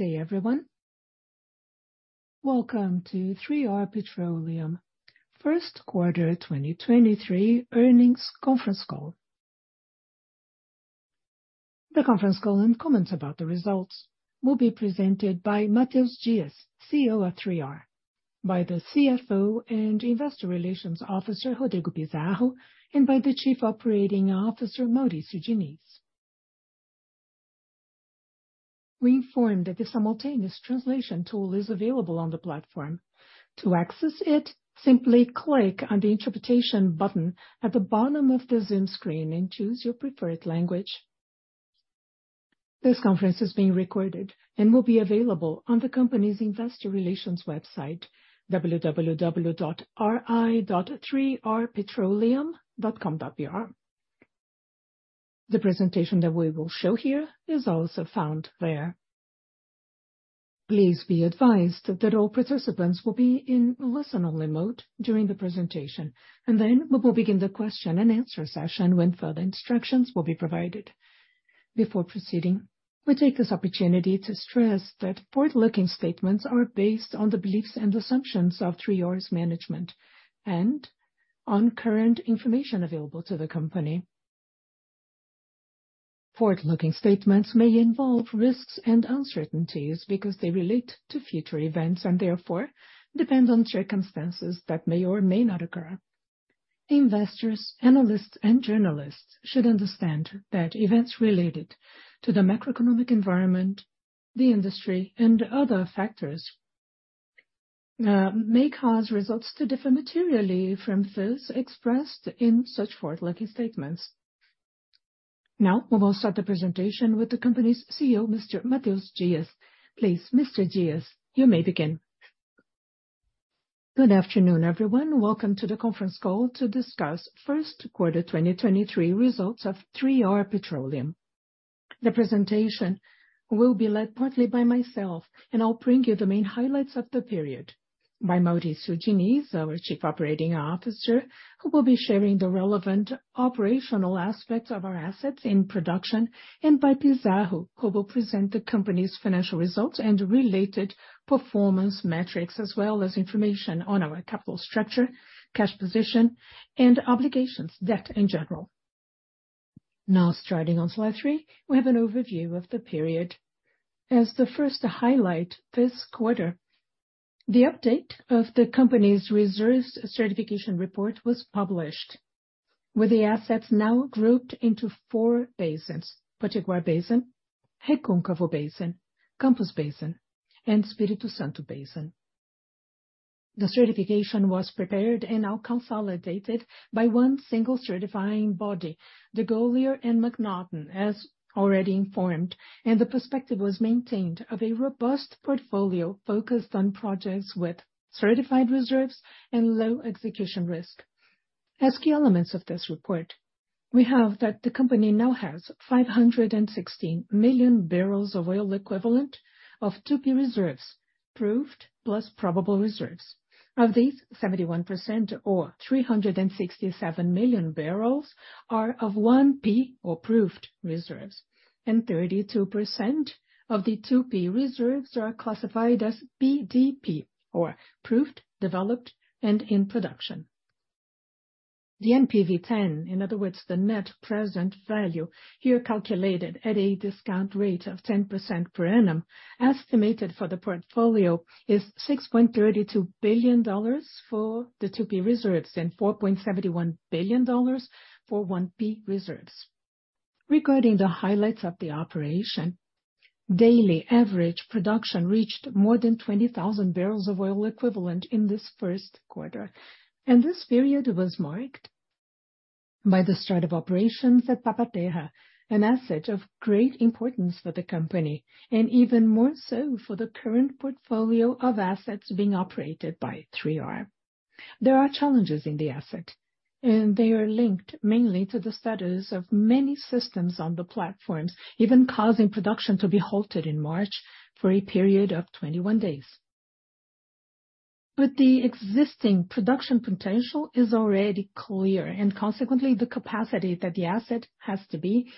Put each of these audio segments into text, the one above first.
Good day everyone. Welcome to 3R Petroleum 1st quarter 2023 earnings conference call. The conference call and comments about the results will be presented by Matheus Dias, CEO at 3R, by the CFO and Investor Relations Officer Rodrigo Pizarro, and by the Chief Operating Officer, Mauricio Diniz. We inform that the simultaneous translation tool is available on the platform. To access it, simply click on the interpretation button at the bottom of the Zoom screen and choose your preferred language. This conference is being recorded and will be available on the company's investor relations website, www.ri.3rpetroleum.com.br. The presentation that we will show here is also found there. Please be advised that all participants will be in listen-only mode during the presentation, and then we will begin the question and answer session when further instructions will be provided. Before proceeding, we take this opportunity to stress that forward-looking statements are based on the beliefs and assumptions of 3R's management and on current information available to the company. Forward-looking statements may involve risks and uncertainties because they relate to future events and therefore depend on circumstances that may or may not occur. Investors, analysts, and journalists should understand that events related to the macroeconomic environment, the industry, and other factors may cause results to differ materially from those expressed in such forward-looking statements. We will start the presentation with the company's CEO, Mr. Matheus Dias. Please, Mr. Dias, you may begin. Good afternoon, everyone. Welcome to the conference call to discuss first quarter 2023 results of 3R Petroleum. The presentation will be led partly by myself, and I'll bring you the main highlights of the period. Mauricio Diniz, our Chief Operating Officer, who will be sharing the relevant operational aspects of our assets in production, and by Pizarro, who will present the company's financial results and related performance metrics, as well as information on our capital structure, cash position and obligations, debt in general. Starting on slide 3, we have an overview of the period. The first to highlight this quarter, the update of the company's resource certification report was published, with the assets now grouped into four basins: Potiguar Basin, Recôncavo Basin, Campos Basin, and Espírito Santo Basin. The certification was prepared and now consolidated by one single certifying body, the DeGolyer and MacNaughton as already informed, and the perspective was maintained of a robust portfolio focused on projects with certified reserves and low execution risk. As key elements of this report, we have that the company now has 516 million barrels of oil equivalent of 2P reserves, Proved plus Probable reserves. Of these, 71% or 367 million barrels are of 1P or Proved reserves, and 32% of the 2P reserves are classified as PDP or Proved, Developed and in Production. The NPV10, in other words, the net present value here calculated at a discount rate of 10% per annum, estimated for the portfolio is $6.32 billion for the 2P reserves and $4.71 billion for 1P reserves. Regarding the highlights of the operation, daily average production reached more than 20,000 barrels of oil equivalent in this first quarter, and this period was marked by the start of operations at Papa Terra, an asset of great importance for the company, and even more so for the current portfolio of assets being operated by 3R. There are challenges in the asset, and they are linked mainly to the status of many systems on the platforms, even causing production to be halted in March for a period of 21 days. The existing production potential is already clear and consequently the capacity that the asset has to be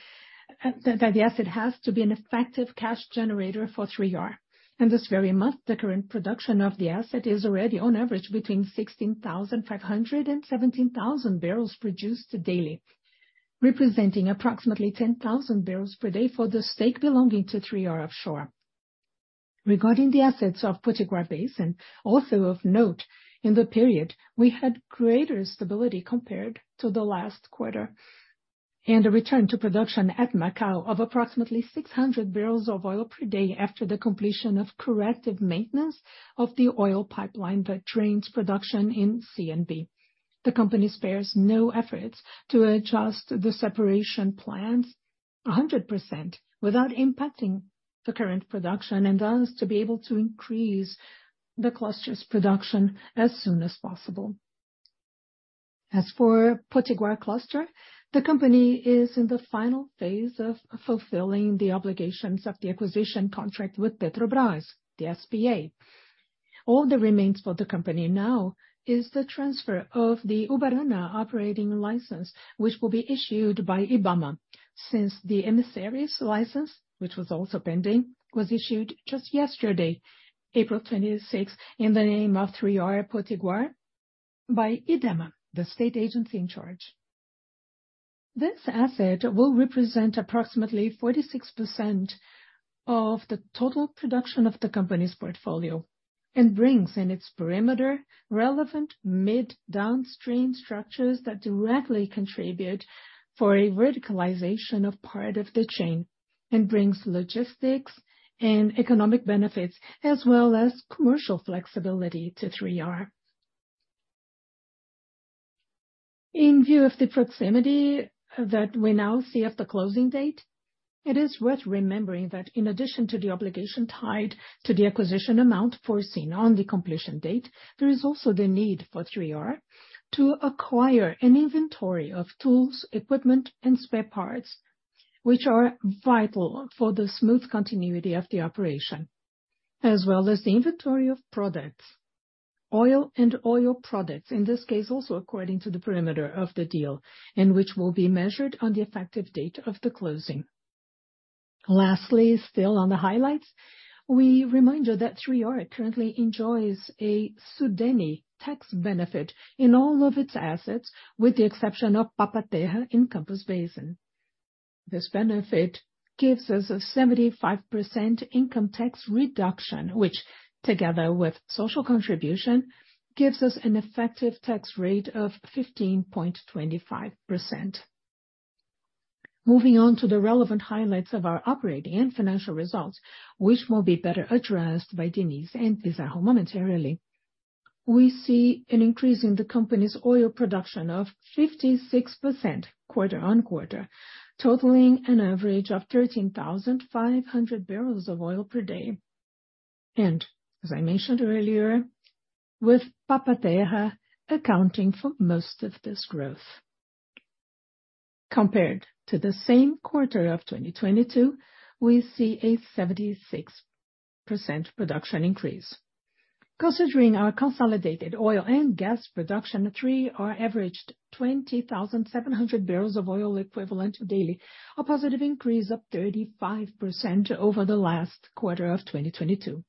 an effective cash generator for 3R. In this very month, the current production of the asset is already on average between 16,500 and 17,000 barrels produced daily, representing approximately 10,000 barrels per day for the stake belonging to 3R Offshore. Regarding the assets of Potiguar Basin, also of note in the period, we had greater stability compared to the last quarter and a return to production at Macau of approximately 600 barrels of oil per day after the completion of corrective maintenance of the oil pipeline that drains production in C&B. The company spares no efforts to adjust the separation plans 100% without impacting the current production and thus to be able to increase the cluster's production as soon as possible. As for Potiguar Cluster, the company is in the final phase of fulfilling the obligations of the acquisition contract with Petrobras, the SBA. All that remains for the company now is the transfer of the Ubarana operating license, which will be issued by IBAMA. The Emissário license, which was also pending, was issued just yesterday, April 26th, in the name of 3R Potiguar by Idema, the state agency in charge. This asset will represent approximately 46% of the total production of the company's portfolio and brings in its perimeter relevant mid-downstream structures that directly contribute for a verticalization of part of the chain, and brings logistics and economic benefits as well as commercial flexibility to 3R. In view of the proximity that we now see of the closing date, it is worth remembering that in addition to the obligation tied to the acquisition amount foreseen on the completion date, there is also the need for 3R to acquire an inventory of tools, equipment and spare parts which are vital for the smooth continuity of the operation, as well as the inventory of products, oil and oil products, in this case, also according to the perimeter of the deal, and which will be measured on the effective date of the closing. Lastly, still on the highlights, we remind you that 3R currently enjoys a Sudene tax benefit in all of its assets with the exception of Papa-Terra in Campos Basin. This benefit gives us a 75% income tax reduction, which together with social contribution, gives us an effective tax rate of 15.25%. Moving on to the relevant highlights of our operating and financial results, which will be better addressed by Mauricio Diniz and Pizarro momentarily. We see an increase in the company's oil production of 56% quarter-on-quarter, totaling an average of 13,500 barrels of oil per day. As I mentioned earlier, with Papa Terra accounting for most of this growth. Compared to the same quarter of 2022, we see a 76% production increase. Considering our consolidated oil and gas production, 3R averaged 20,700 barrels of oil equivalent daily, a positive increase of 35% over the last quarter of 2022.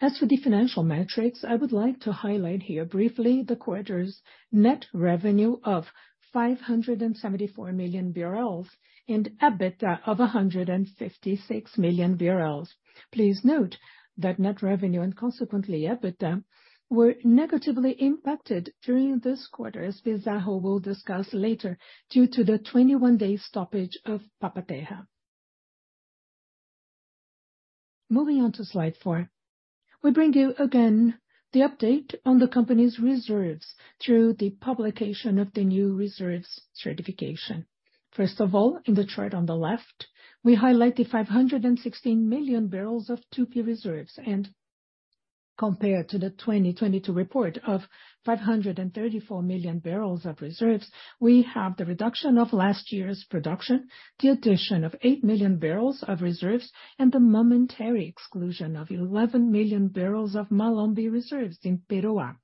As for the financial metrics, I would like to highlight here briefly the quarter's net revenue of 574 million BRL and EBITDA of 156 million BRL. Please note that net revenue and consequently EBITDA were negatively impacted during this quarter, as Pizarro will discuss later, due to the 21 day stoppage of Papa Terra. Moving on to slide 4. We bring you again the update on the company's reserves through the publication of the new reserves certification. First of all, in the chart on the left, we highlight the 516 million barrels of 2P reserves and compared to the 2022 report of 534 million barrels of reserves, we have the reduction of last year's production, the addition of 8 million barrels of reserves, and the momentary exclusion of 11 million barrels of Malombe reserves in Peroá,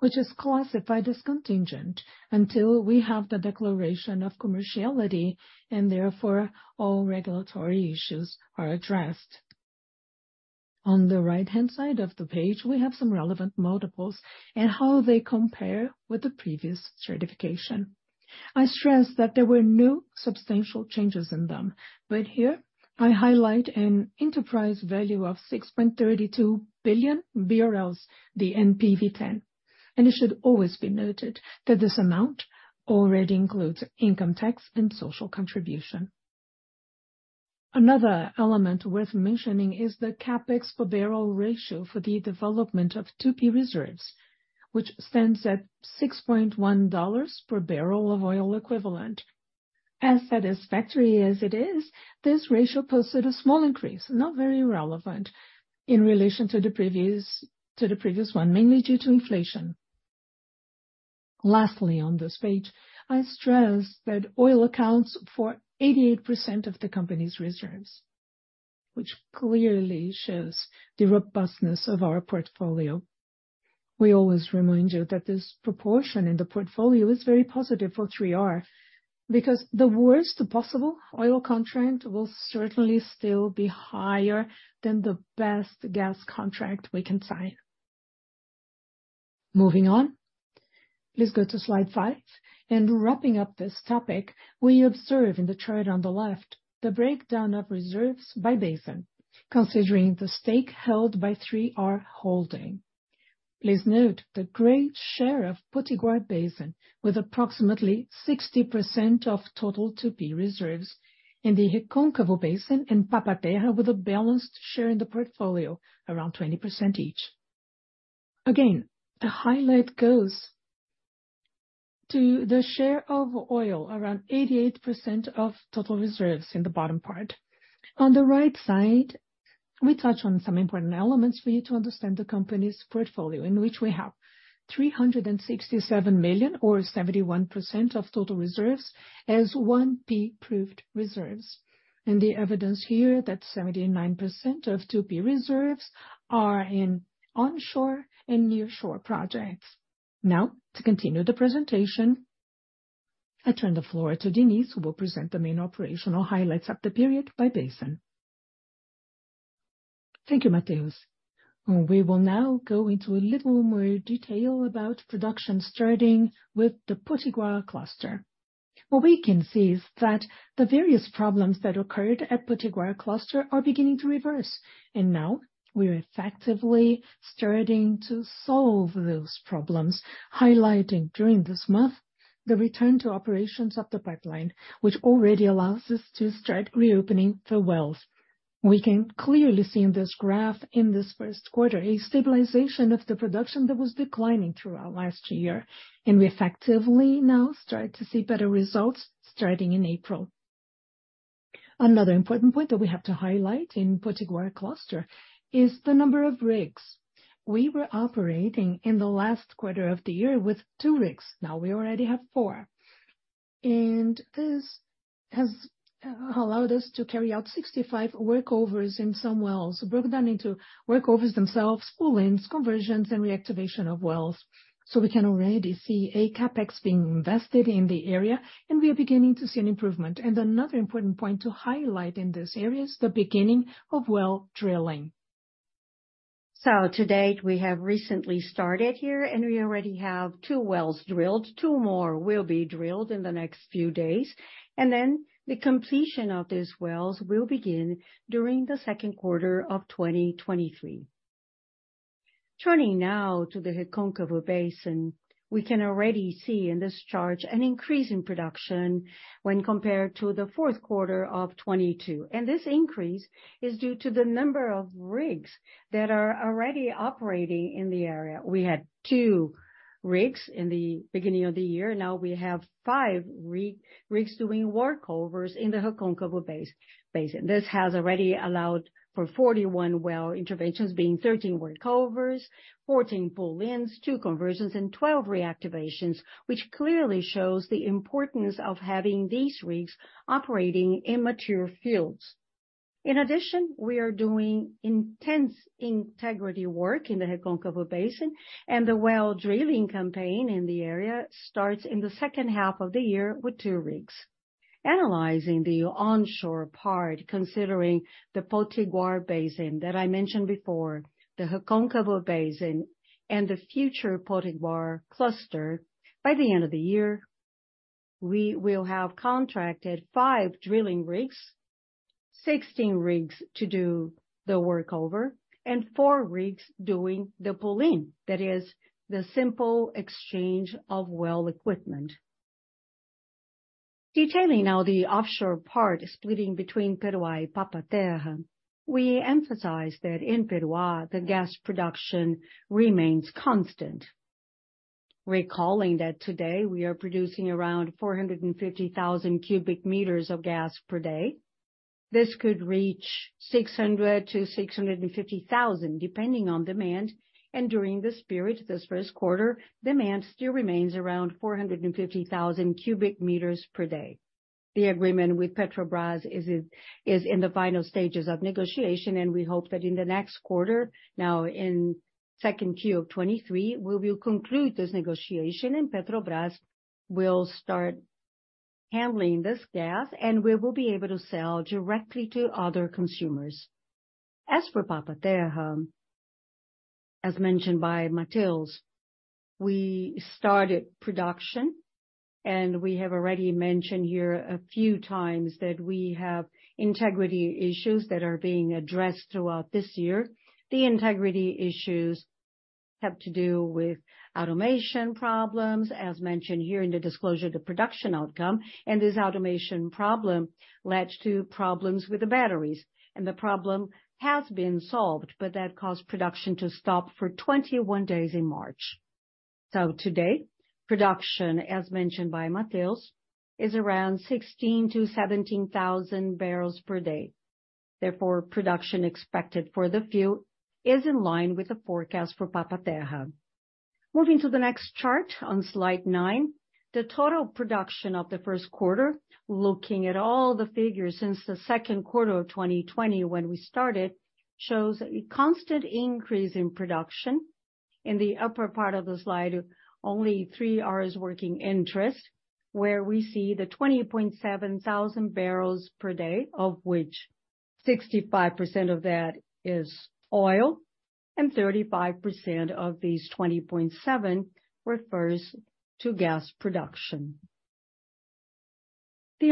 which is classified as contingent until we have the declaration of commerciality and therefore all regulatory issues are addressed. On the right-hand side of the page, we have some relevant multiples and how they compare with the previous certification. I stress that there were no substantial changes in them. Here I highlight an enterprise value of 6.32 billion BRL, the NPV10, and it should always be noted that this amount already includes income tax and social contribution. Another element worth mentioning is the CapEx per barrel ratio for the development of 2P reserves, which stands at $6.1 per barrel of oil equivalent. As satisfactory as it is, this ratio posted a small increase, not very relevant in relation to the previous one, mainly due to inflation. Lastly, on this page, I stress that oil accounts for 88% of the company's reserves, which clearly shows the robustness of our portfolio. We always remind you that this proportion in the portfolio is very positive for 3R, because the worst possible oil contract will certainly still be higher than the best gas contract we can sign. Moving on. Please go to slide 5. In wrapping up this topic, we observe in the chart on the left the breakdown of reserves by basin, considering the stake held by 3R Holding. Please note the great share of Potiguar Basin with approximately 60% of total 2P reserves in the Recôncavo Basin and Papa-Terra with a balanced share in the portfolio around 20% each. The highlight goes to the share of oil around 88% of total reserves in the bottom part. On the right side. We touch on some important elements for you to understand the company's portfolio in which we have 367 million or 71% of total reserves as 1P proved reserves. The evidence here that 79% of 2P reserves are in onshore and nearshore projects. To continue the presentation, I turn the floor to Diniz, who will present the main operational highlights of the period by basin. Thank you, Matheus. We will now go into a little more detail about production, starting with the Potiguar cluster. What we can see is that the various problems that occurred at Potiguar cluster are beginning to reverse, and now we're effectively starting to solve those problems, highlighting during this month the return to operations of the pipeline, which already allows us to start reopening the wells. We can clearly see in this graph, in this first quarter, a stabilization of the production that was declining throughout last year, and we effectively now start to see better results starting in April. Another important point that we have to highlight in Potiguar Cluster is the number of rigs. We were operating in the last quarter of the year with two rigs. Now we already have four. This has allowed us to carry out 65 workovers in some wells, broken down into workovers themselves, pullings, conversions, and reactivation of wells. We can already see a CapEx being invested in the area, and we are beginning to see an improvement. Another important point to highlight in this area is the beginning of well drilling. To date, we have recently started here, and we already have two wells drilled. Two more will be drilled in the next few days, and then the completion of these wells will begin during the second quarter of 2023. Turning now to the Recôncavo Basin, we can already see in this chart an increase in production when compared to the fourth quarter of 2022. This increase is due to the number of rigs that are already operating in the area. We had 2 rigs in the beginning of the year. Now we have five rigs doing workovers in the Recôncavo Basin. This has already allowed for 41 well interventions, being 13 workovers, 14 pullings, 2 conversions, and 12 reactivations, which clearly shows the importance of having these rigs operating in mature fields. In addition, we are doing intense integrity work in the Recôncavo Basin, and the well drilling campaign in the area starts in the second half of the year with 2 rigs. Analyzing the onshore part, considering the Potiguar Basin that I mentioned before, the Recôncavo Basin, and the future Potiguar Cluster, by the end of the year, we will have contracted five drilling rigs, 16 rigs to do the workover, and four rigs doing the pull-in. That is the simple exchange of well equipment. Detailing now the offshore part, splitting between Peroá and Papa Terra, we emphasize that in Peroá, the gas production remains constant. Recalling that today we are producing around 450,000 cubic meters of gas per day. This could reach 600,000-650,000, depending on demand. During this period, this first quarter, demand still remains around 450,000 cubic meters per day. The agreement with Petrobras is in the final stages of negotiation. We hope that in the next quarter, now in 2Q of 2023, we will conclude this negotiation. Petrobras will start handling this gas, and we will be able to sell directly to other consumers. As for Papa-Terra, as mentioned by Matheus, we started production. We have already mentioned here a few times that we have integrity issues that are being addressed throughout this year. The integrity issues have to do with automation problems, as mentioned here in the disclosure, the production outcome. This automation problem led to problems with the batteries. The problem has been solved. That caused production to stop for 21 days in March. To date, production, as mentioned by Matheus, is around 16,000-17,000 barrels per day. Production expected for the field is in line with the forecast for Papa Terra. Moving to the next chart on slide 9, the total production of the first quarter, looking at all the figures since the 2nd quarter of 2020 when we started, shows a constant increase in production. In the upper part of the slide, only 3R's working interest, where we see the 20.7 thousand barrels per day, of which 65% of that is oil and 35% of these 20.7 refers to gas production. The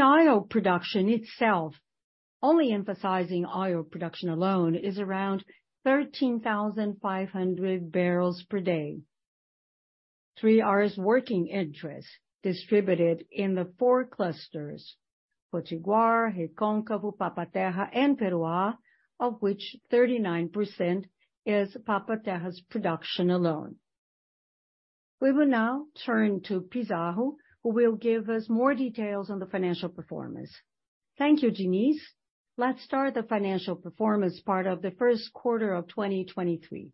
oil production itself, only emphasizing oil production alone, is around 13,500 barrels per day. 3R's working interest distributed in the four clusters Potiguar, Recôncavo, Papa Terra, and Peruíbe, of which 39% is Papa Terra's production alone. We will now turn to Pizarro, who will give us more details on the financial performance. Thank you, Diniz. Let's start the financial performance part of the first quarter of 2023.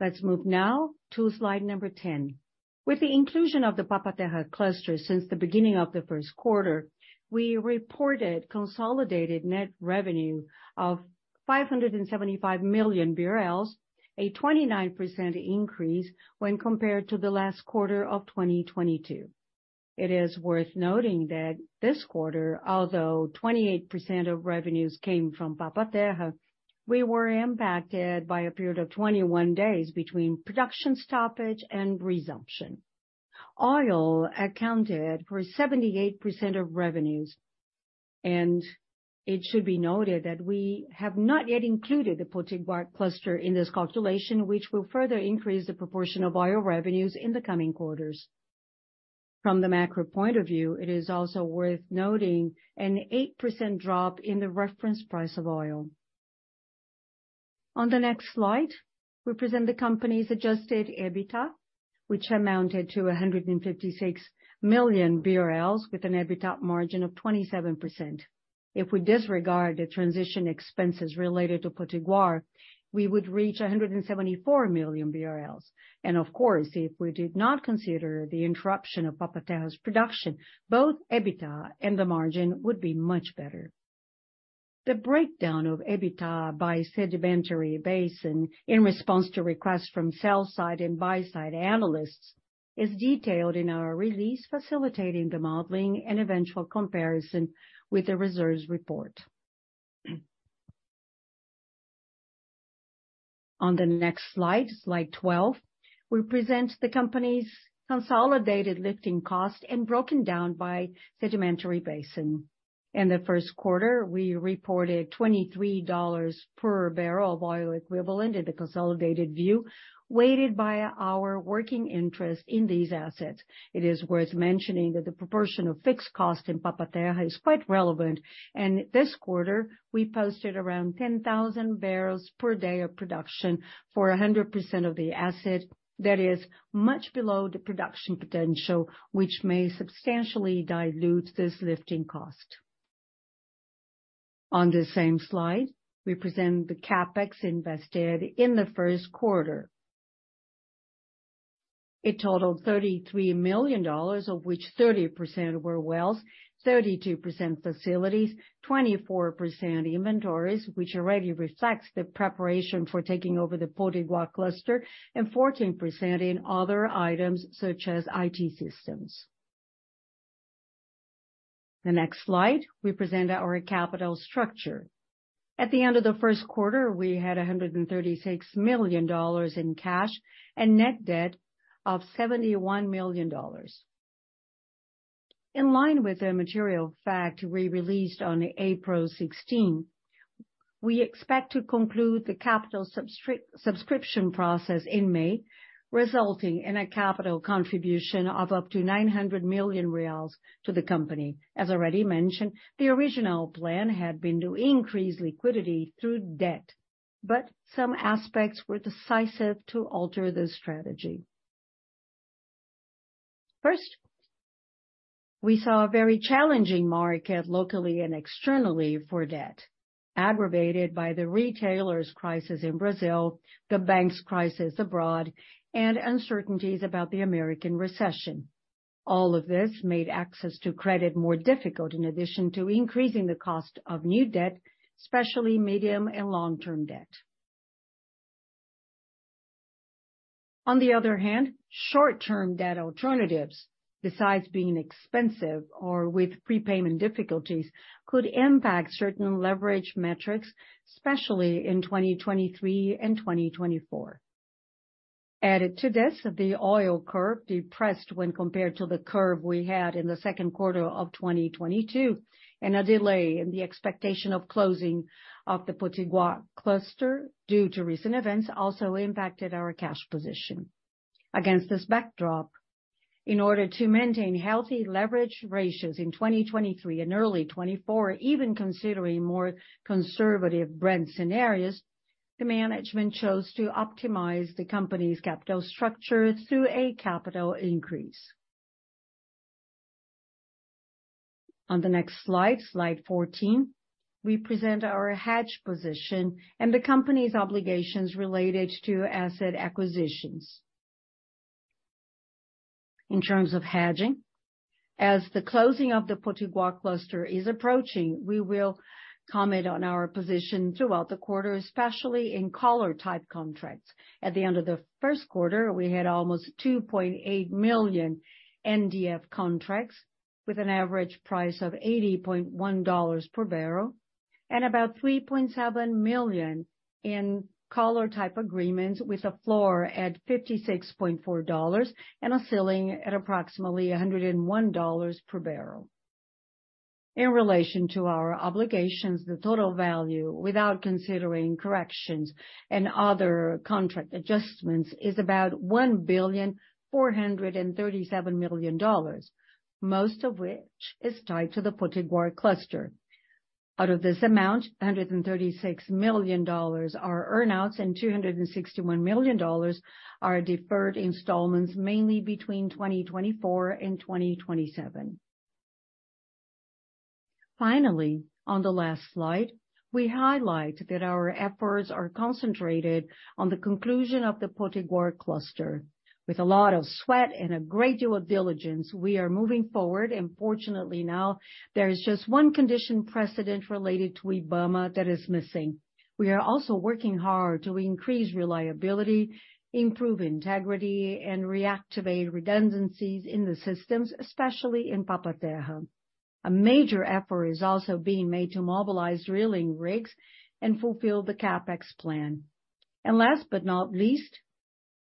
Let's move now to slide number 10. With the inclusion of the Papa Terra cluster since the beginning of the first quarter, we reported consolidated net revenue of 575 million BRL, a 29% increase when compared to the last quarter of 2022. It is worth noting that this quarter, although 28% of revenues came from Papa Terra, we were impacted by a period of 21 days between production stoppage and resumption. Oil accounted for 78% of revenues. It should be noted that we have not yet included the Potiguar cluster in this calculation, which will further increase the proportion of oil revenues in the coming quarters. From the macro point of view, it is also worth noting an 8% drop in the reference price of oil. On the next slide, we present the company's adjusted EBITDA, which amounted to 156 million BRL with an EBITDA margin of 27%. If we disregard the transition expenses related to Potiguar, we would reach 174 million BRL. Of course, if we did not consider the interruption of Papa Terra's production, both EBITDA and the margin would be much better. The breakdown of EBITDA by sedimentary basin in response to requests from sell side and buy side analysts is detailed in our release facilitating the modeling and eventual comparison with the reserves report. On the next slide 12, we present the company's consolidated lifting cost and broken down by sedimentary basin. In the first quarter, we reported $23 per barrel oil equivalent in the consolidated view, weighted by our working interest in these assets. It is worth mentioning that the proportion of fixed cost in Papa Terra is quite relevant, and this quarter, we posted around 10,000 barrels per day of production for 100% of the asset. That is much below the production potential, which may substantially dilute this lifting cost. On this same slide, we present the CapEx invested in the first quarter. It totaled $33 million, of which 30% were wells, 32% facilities, 24% inventories, which already reflects the preparation for taking over the Potiguar cluster, and 14% in other items such as IT systems. The next slide represent our capital structure. At the end of the first quarter, we had $136 million in cash and net debt of $71 million. In line with the material fact we released on April 16, we expect to conclude the capital subscription process in May, resulting in a capital contribution of up to BRL 900 million to the company. As already mentioned, the original plan had been to increase liquidity through debt, some aspects were decisive to alter the strategy. First, we saw a very challenging market locally and externally for debt, aggravated by the retailers' crisis in Brazil, the banks' crisis abroad, and uncertainties about the American recession. All of this made access to credit more difficult in addition to increasing the cost of new debt, especially medium and long-term debt. On the other hand, short-term debt alternatives, besides being expensive or with prepayment difficulties, could impact certain leverage metrics, especially in 2023 and 2024. Added to this, the oil curve depressed when compared to the curve we had in the second quarter of 2022, and a delay in the expectation of closing of the Potiguar cluster due to recent events also impacted our cash position. Against this backdrop, in order to maintain healthy leverage ratios in 2023 and early 2024, even considering more conservative Brent scenarios, the management chose to optimize the company's capital structure through a capital increase. On the next slide 14, we present our hedge position and the company's obligations related to asset acquisitions. In terms of hedging, as the closing of the Potiguar cluster is approaching, we will comment on our position throughout the quarter, especially in collar type contracts. At the end of the first quarter, we had almost 2.8 million NDF contracts with an average price of $80.1 per barrel, and about 3.7 million in collar type agreements with a floor at $56.4 and a ceiling at approximately $101 per barrel. In relation to our obligations, the total value, without considering corrections and other contract adjustments, is about $1 billion 437 million, most of which is tied to the Potiguar cluster. Out of this amount, $136 million are earn-outs and $261 million are deferred installments, mainly between 2024 and 2027. Finally, on the last slide, we highlight that our efforts are concentrated on the conclusion of the Potiguar cluster. With a lot of sweat and a great deal of diligence, we are moving forward and fortunately now there is just one condition precedent related to IBAMA that is missing. We are also working hard to increase reliability, improve integrity, and reactivate redundancies in the systems, especially in Papa-Terra. A major effort is also being made to mobilize drilling rigs and fulfill the CapEx plan. Last but not least,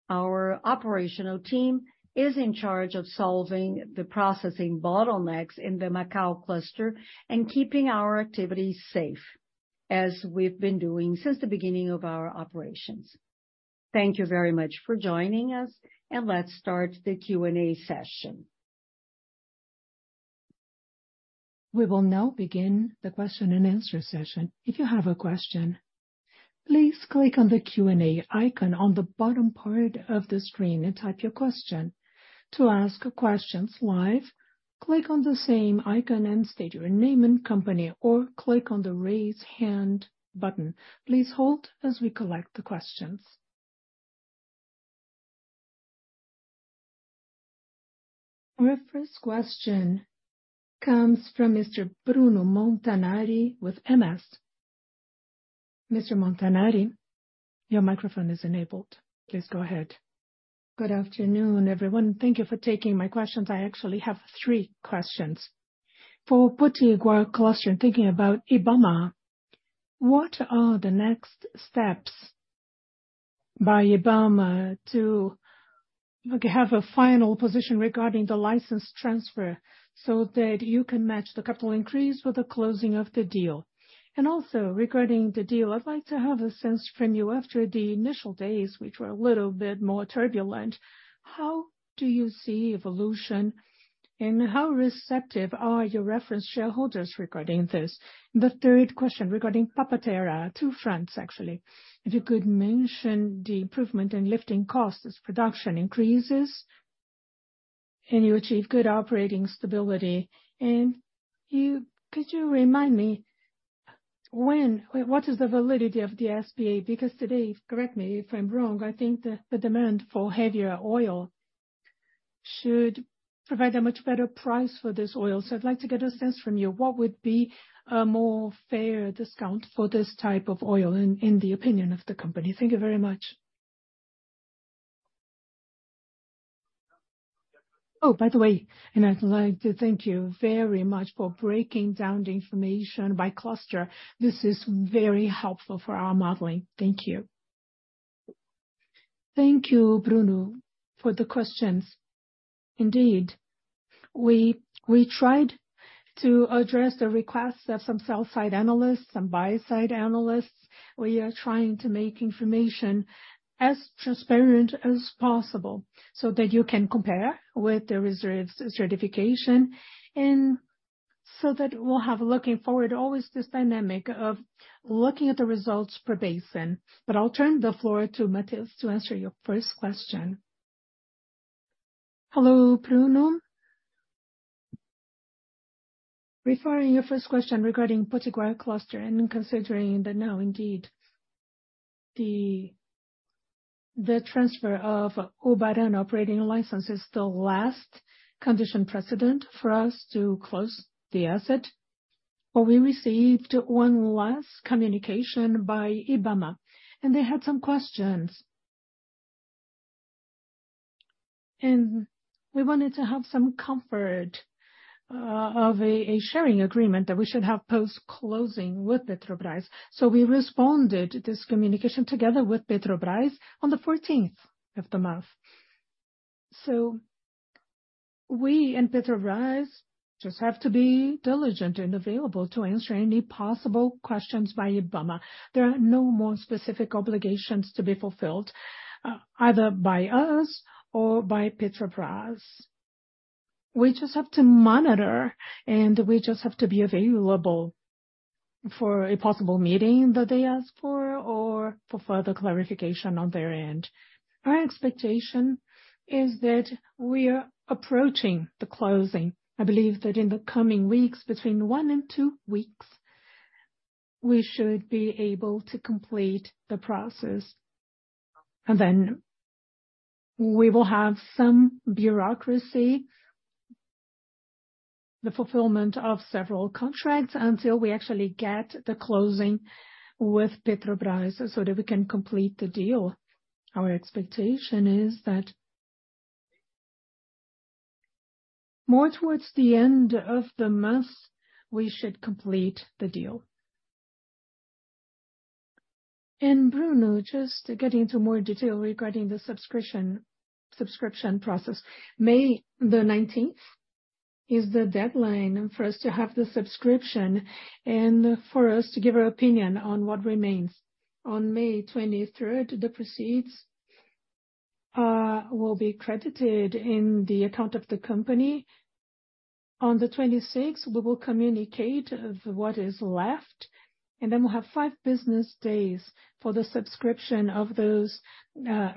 our operational team is in charge of solving the processing bottlenecks in the Macau cluster and keeping our activities safe, as we've been doing since the beginning of our operations. Thank you very much for joining us, and let's start the Q&A session. We will now begin the question-and-answer session. If you have a question, please click on the Q&A icon on the bottom part of the screen and type your question. To ask questions live, click on the same icon and state your name and company, or click on the Raise Hand button. Please hold as we collect the questions. Our first question comes from Mr. Bruno Montanari with MS. Mr. Montanari, your microphone is enabled. Please go ahead. Good afternoon, everyone. Thank you for taking my questions. I actually have three questions. For Potiguar Cluster, thinking about IBAMA, what are the next steps by IBAMA to have a final position regarding the license transfer so that you can match the capital increase with the closing of the deal? Also regarding the deal, I'd like to have a sense from you after the initial days, which were a little bit more turbulent, how do you see evolution, and how receptive are your reference shareholders regarding this? The third question regarding Papa-Terra, two fronts, actually. If you could mention the improvement in lifting costs as production increases and you achieve good operating stability. Could you remind me what is the validity of the SPA? Today, correct me if I'm wrong, I think the demand for heavier oil should provide a much better price for this oil. I'd like to get a sense from you, what would be a more fair discount for this type of oil in the opinion of the company? Thank you very much. Oh, by the way, I'd like to thank you very much for breaking down the information by cluster. This is very helpful for our modeling. Thank you. Thank you, Bruno, for the questions. Indeed, we tried to address the requests of some sell side analysts, some buy side analysts. We are trying to make information as transparent as possible so that you can compare with the reserves certification, and so that we'll have looking forward always this dynamic of looking at the results per basin. I'll turn the floor to Matheus to answer your first question. Hello, Bruno. Referring your first question regarding Potiguar Cluster, considering that now indeed the transfer of Ubara operating license is the last condition precedent for us to close the asset. We received one last communication by IBAMA, they had some questions. We wanted to have some comfort of a sharing agreement that we should have post-closing with Petrobras. We responded to this communication together with Petrobras on the 14th of the month. We and Petrobras just have to be diligent and available to answer any possible questions by IBAMA. There are no more specific obligations to be fulfilled either by us or by Petrobras. We just have to monitor, we just have to be available for a possible meeting that they ask for or for further clarification on their end. Our expectation is that we are approaching the closing. I believe that in the coming weeks, between one and two weeks, we should be able to complete the process. Then we will have some bureaucracy, the fulfillment of several contracts until we actually get the closing with Petrobras so that we can complete the deal. Our expectation is that more towards the end of the month, we should complete the deal. Bruno, just to get into more detail regarding the subscription process. May the 19th is the deadline for us to have the subscription and for us to give our opinion on what remains. On May 23rd, the proceeds will be credited in the account of the company. On the 26th, we will communicate of what is left, and then we'll have five business days for the subscription of those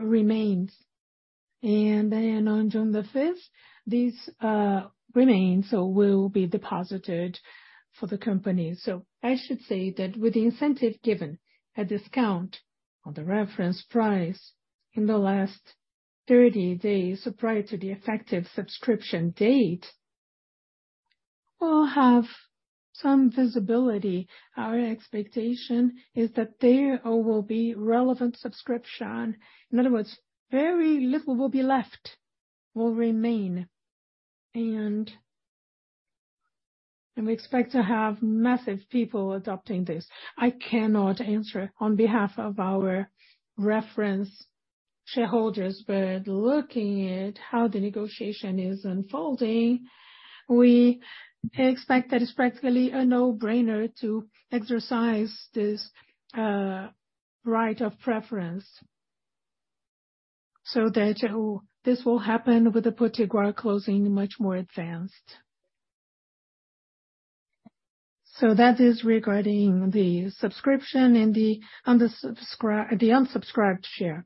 remains. On June the 5th, these remains will be deposited for the company. I should say that with the incentive given, a discount on the reference price in the last 30 days prior to the effective subscription date, we'll have some visibility. Our expectation is that there will be relevant subscription. In other words, very little will be left, will remain. We expect to have massive people adopting this. I cannot answer on behalf of our reference shareholders, but looking at how the negotiation is unfolding, we expect that it's practically a no-brainer to exercise this right of preference, so that this will happen with the Potiguar closing much more advanced. That is regarding the subscription and the unsubscribed share.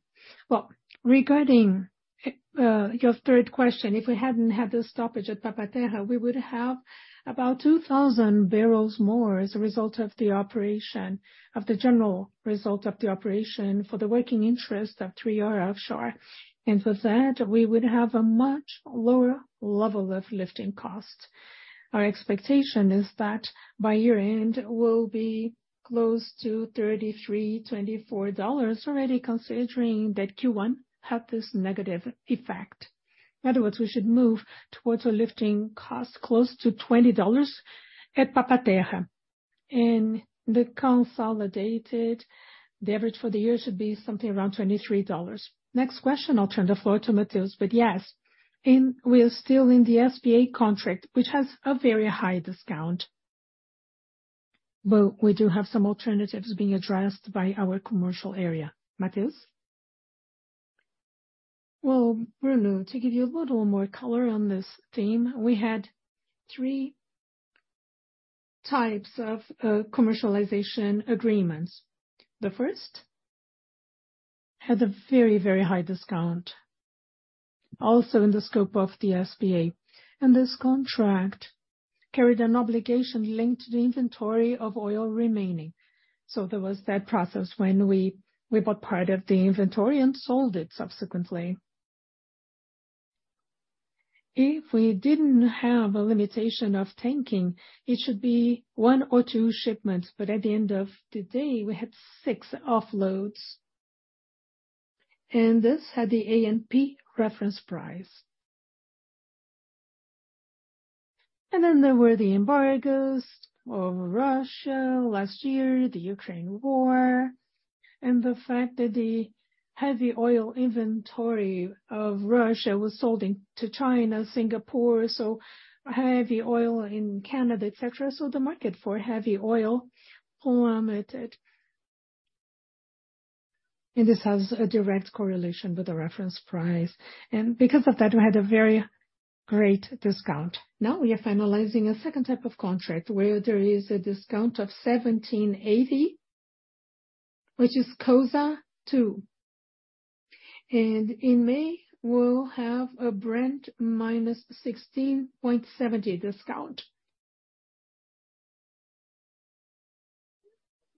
Well, regarding your third question, if we hadn't had the stoppage at Papa Terra, we would have about 2,000 barrels more as a result of the operation of the general result of the operation for the working interest of 3R Offshore. For that, we would have a much lower level of lifting costs. Our expectation is that by year-end, we'll be close to $33, $24 already considering that Q1 had this negative effect. In other words, we should move towards a lifting cost close to $20 at Papa Terra. The consolidated, the average for the year should be something around $23. Next question, I'll turn the floor to Matheus. Yes, and we are still in the SBA contract, which has a very high discount. We do have some alternatives being addressed by our commercial area. Matheus. Well, Bruno, to give you a little more color on this theme, we had three types of commercialization agreements. The first had a very, very high discount, also in the scope of the SBA. This contract carried an obligation linked to the inventory of oil remaining. There was that process when we bought part of the inventory and sold it subsequently. If we didn't have a limitation of tanking, it should be one or two shipments. At the end of the day, we had six offloads, and this had the ANP reference price. There were the embargoes over Russia last year, the Ukraine war, and the fact that the heavy oil inventory of Russia was sold into China, Singapore, so heavy oil in Canada, etcetera. The market for heavy oil plummeted. This has a direct correlation with the reference price. Because of that, we had a very great discount. Now we are finalizing a second type of contract where there is a discount of 17.80, which is Cosa II. In May, we'll have a Brent minus 16.70 discount.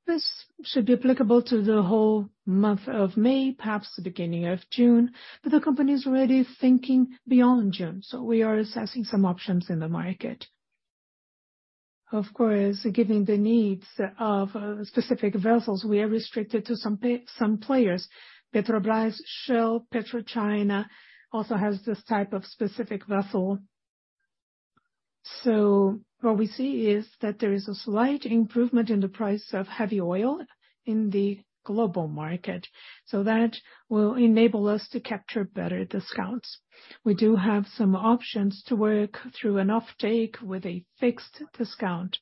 This should be applicable to the whole month of May, perhaps the beginning of June, but the company is already thinking beyond June, so we are assessing some options in the market. Of course, given the needs of specific vessels, we are restricted to some players. Petrobras, Shell, PetroChina also has this type of specific vessel. What we see is that there is a slight improvement in the price of heavy oil in the global market. That will enable us to capture better discounts. We do have some options to work through an offtake with a fixed discount.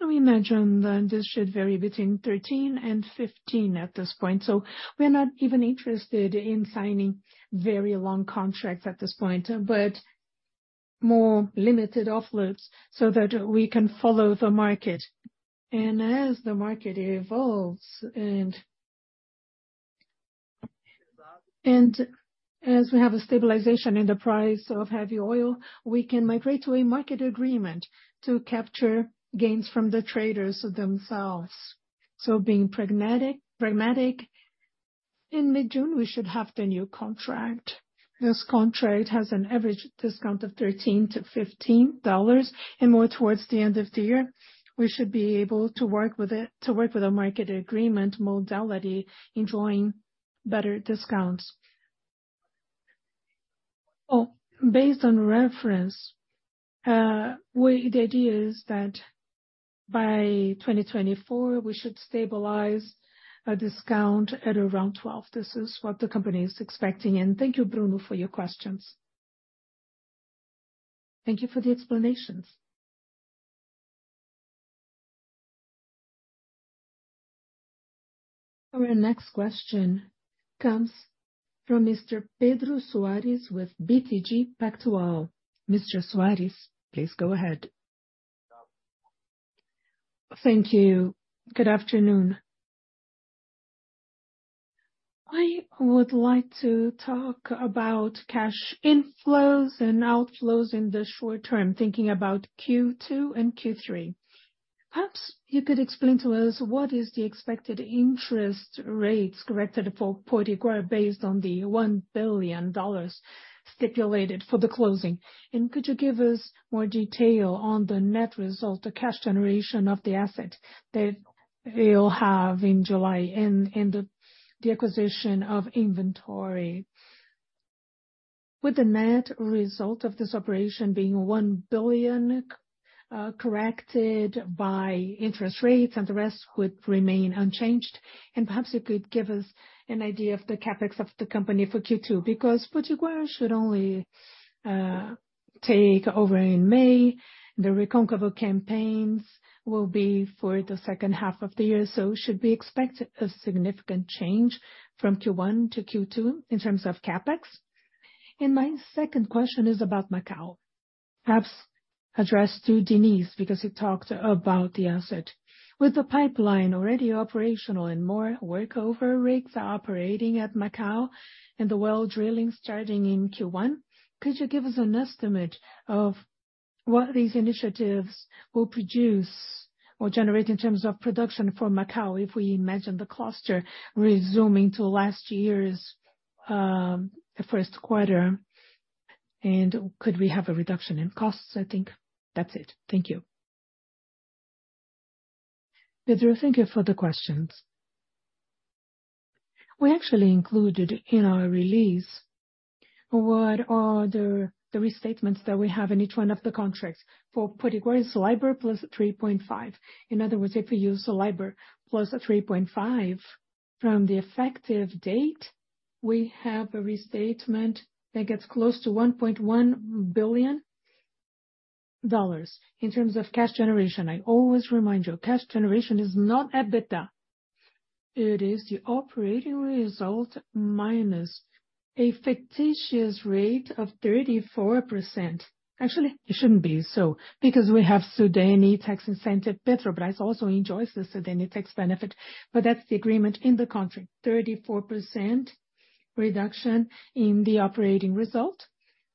We imagine that this should vary between 13 and 15 at this point. We're not even interested in signing very long contracts at this point, but more limited offloads so that we can follow the market. As the market evolves and as we have a stabilization in the price of heavy oil, we can migrate to a market agreement to capture gains from the traders themselves. Being pragmatic, in mid-June, we should have the new contract. This contract has an average discount of $13-$15, and more towards the end of the year, we should be able to work with a market agreement modality, enjoying better discounts. Well, based on reference, the idea is that by 2024, we should stabilize a discount at around 12. This is what the company is expecting. Thank you, Bruno, for your questions. Thank you for the explanations. Our next question comes from Mr. Pedro Soares with BTG Pactual. Mr. Soares, please go ahead. Thank you. Good afternoon. I would like to talk about cash inflows and outflows in the short term, thinking about Q2 and Q3. Perhaps you could explain to us what is the expected interest rates corrected for Potiguar based on the $1 billion stipulated for the closing. Could you give us more detail on the net result, the cash generation of the asset that they'll have in July and the acquisition of inventory? Would the net result of this operation being $1 billion corrected by interest rates and the rest would remain unchanged? Perhaps you could give us an idea of the CapEx of the company for Q2, because Potiguar should only take over in May. The Recôncavo campaigns will be for the second half of the year. Should we expect a significant change from Q1 to Q2 in terms of CapEx? My second question is about Macau, perhaps addressed to Mauricio Diniz because he talked about the asset. With the pipeline already operational and more work over rigs operating at Macau and the well drilling starting in Q1, could you give us an estimate of what these initiatives will produce or generate in terms of production for Macau if we imagine the cluster resuming to last year's first quarter, and could we have a reduction in costs? I think that's it. Thank you. Pedro, thank you for the questions. We actually included in our release what are the restatements that we have in each one of the contracts. For Potiguar it's LIBOR plus 3.5. In other words, if we use LIBOR plus 3.5 from the effective date, we have a restatement that gets close to $1.1 billion. In terms of cash generation, I always remind you, cash generation is not EBITDA. It is the operating result minus a fictitious rate of 34%. Actually, it shouldn't be so, because we have Sudene tax incentive. Petrobras also enjoys the Sudene tax benefit. That's the agreement in the country, 34% reduction in the operating result.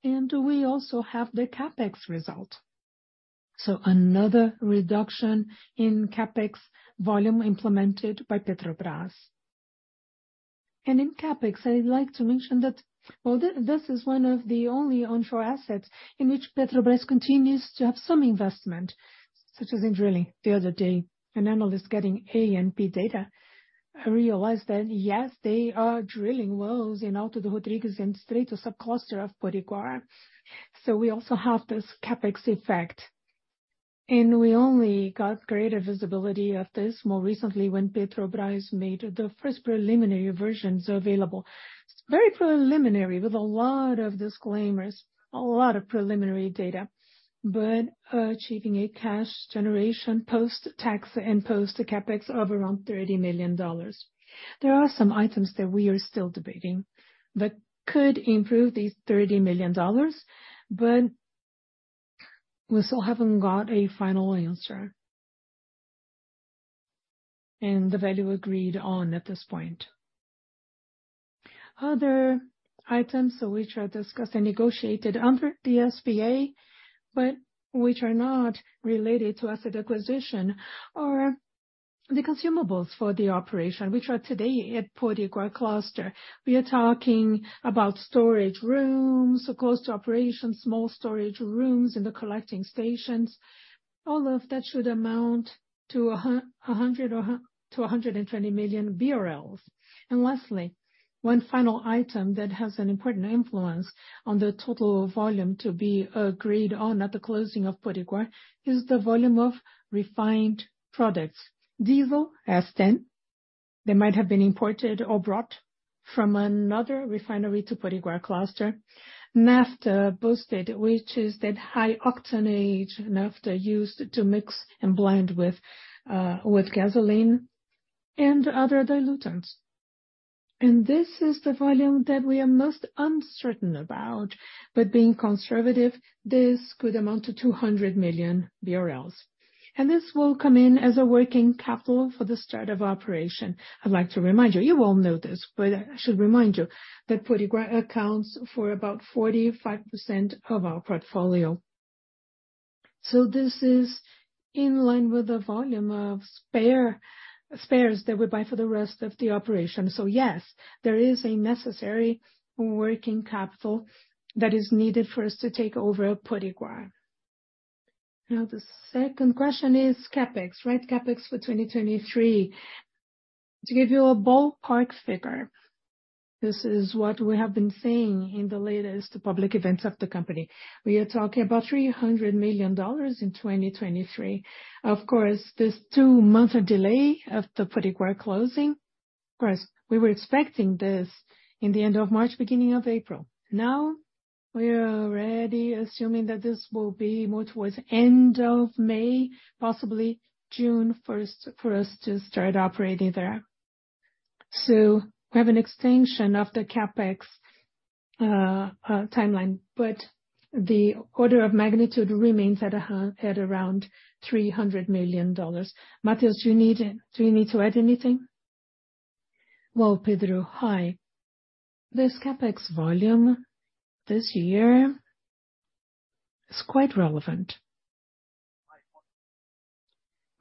We also have the CapEx result. Another reduction in CapEx volume implemented by Petrobras. In CapEx, I'd like to mention that this is one of the only onshore assets in which Petrobras continues to have some investment, such as in drilling. The other day, an analyst getting A and B data realized that, yes, they are drilling wells in Alto do Rodrigues and straight to sub-cluster of Potiguar. We also have this CapEx effect, and we only got greater visibility of this more recently when Petrobras made the first preliminary versions available. It's very preliminary with a lot of disclaimers, a lot of preliminary data, but achieving a cash generation post tax and post CapEx of around $30 million. There are some items that we are still debating that could improve these $30 million, but we still haven't got a final answer, and the value agreed on at this point. Other items which are discussed and negotiated under the SBA but which are not related to asset acquisition are the consumables for the operation which are today at Potiguar cluster. We are talking about storage rooms close to operations, small storage rooms in the collecting stations. All of that should amount to 100 or to 120 million barrels. Lastly, one final item that has an important influence on the total volume to be agreed on at the closing of Potiguar is the volume of refined products. Diesel S-10, they might have been imported or brought from another refinery to Potiguar cluster. Naphtha boosted, which is that high octanage naphtha used to mix and blend with gasoline and other dilutants. This is the volume that we are most uncertain about. Being conservative, this could amount to 200 million barrels, and this will come in as a working capital for the start of operation. I'd like to remind you all know this, but I should remind you that Potiguar accounts for about 45% of our portfolio. This is in line with the volume of spares that we buy for the rest of the operation. Yes, there is a necessary working capital that is needed for us to take over Potiguar. The second question is CapEx, right? CapEx for 2023. To give you a ballpark figure, this is what we have been saying in the latest public events of the company. We are talking about $300 million in 2023. This two-month delay of the Potiguar closing, we were expecting this in the end of March, beginning of April. We are already assuming that this will be more towards end of May, possibly June first for us to start operating there. We have an extension of the CapEx timeline, but the order of magnitude remains at around $300 million. Matheus, do you need to add anything? Pedro, hi. This CapEx volume this year is quite relevant.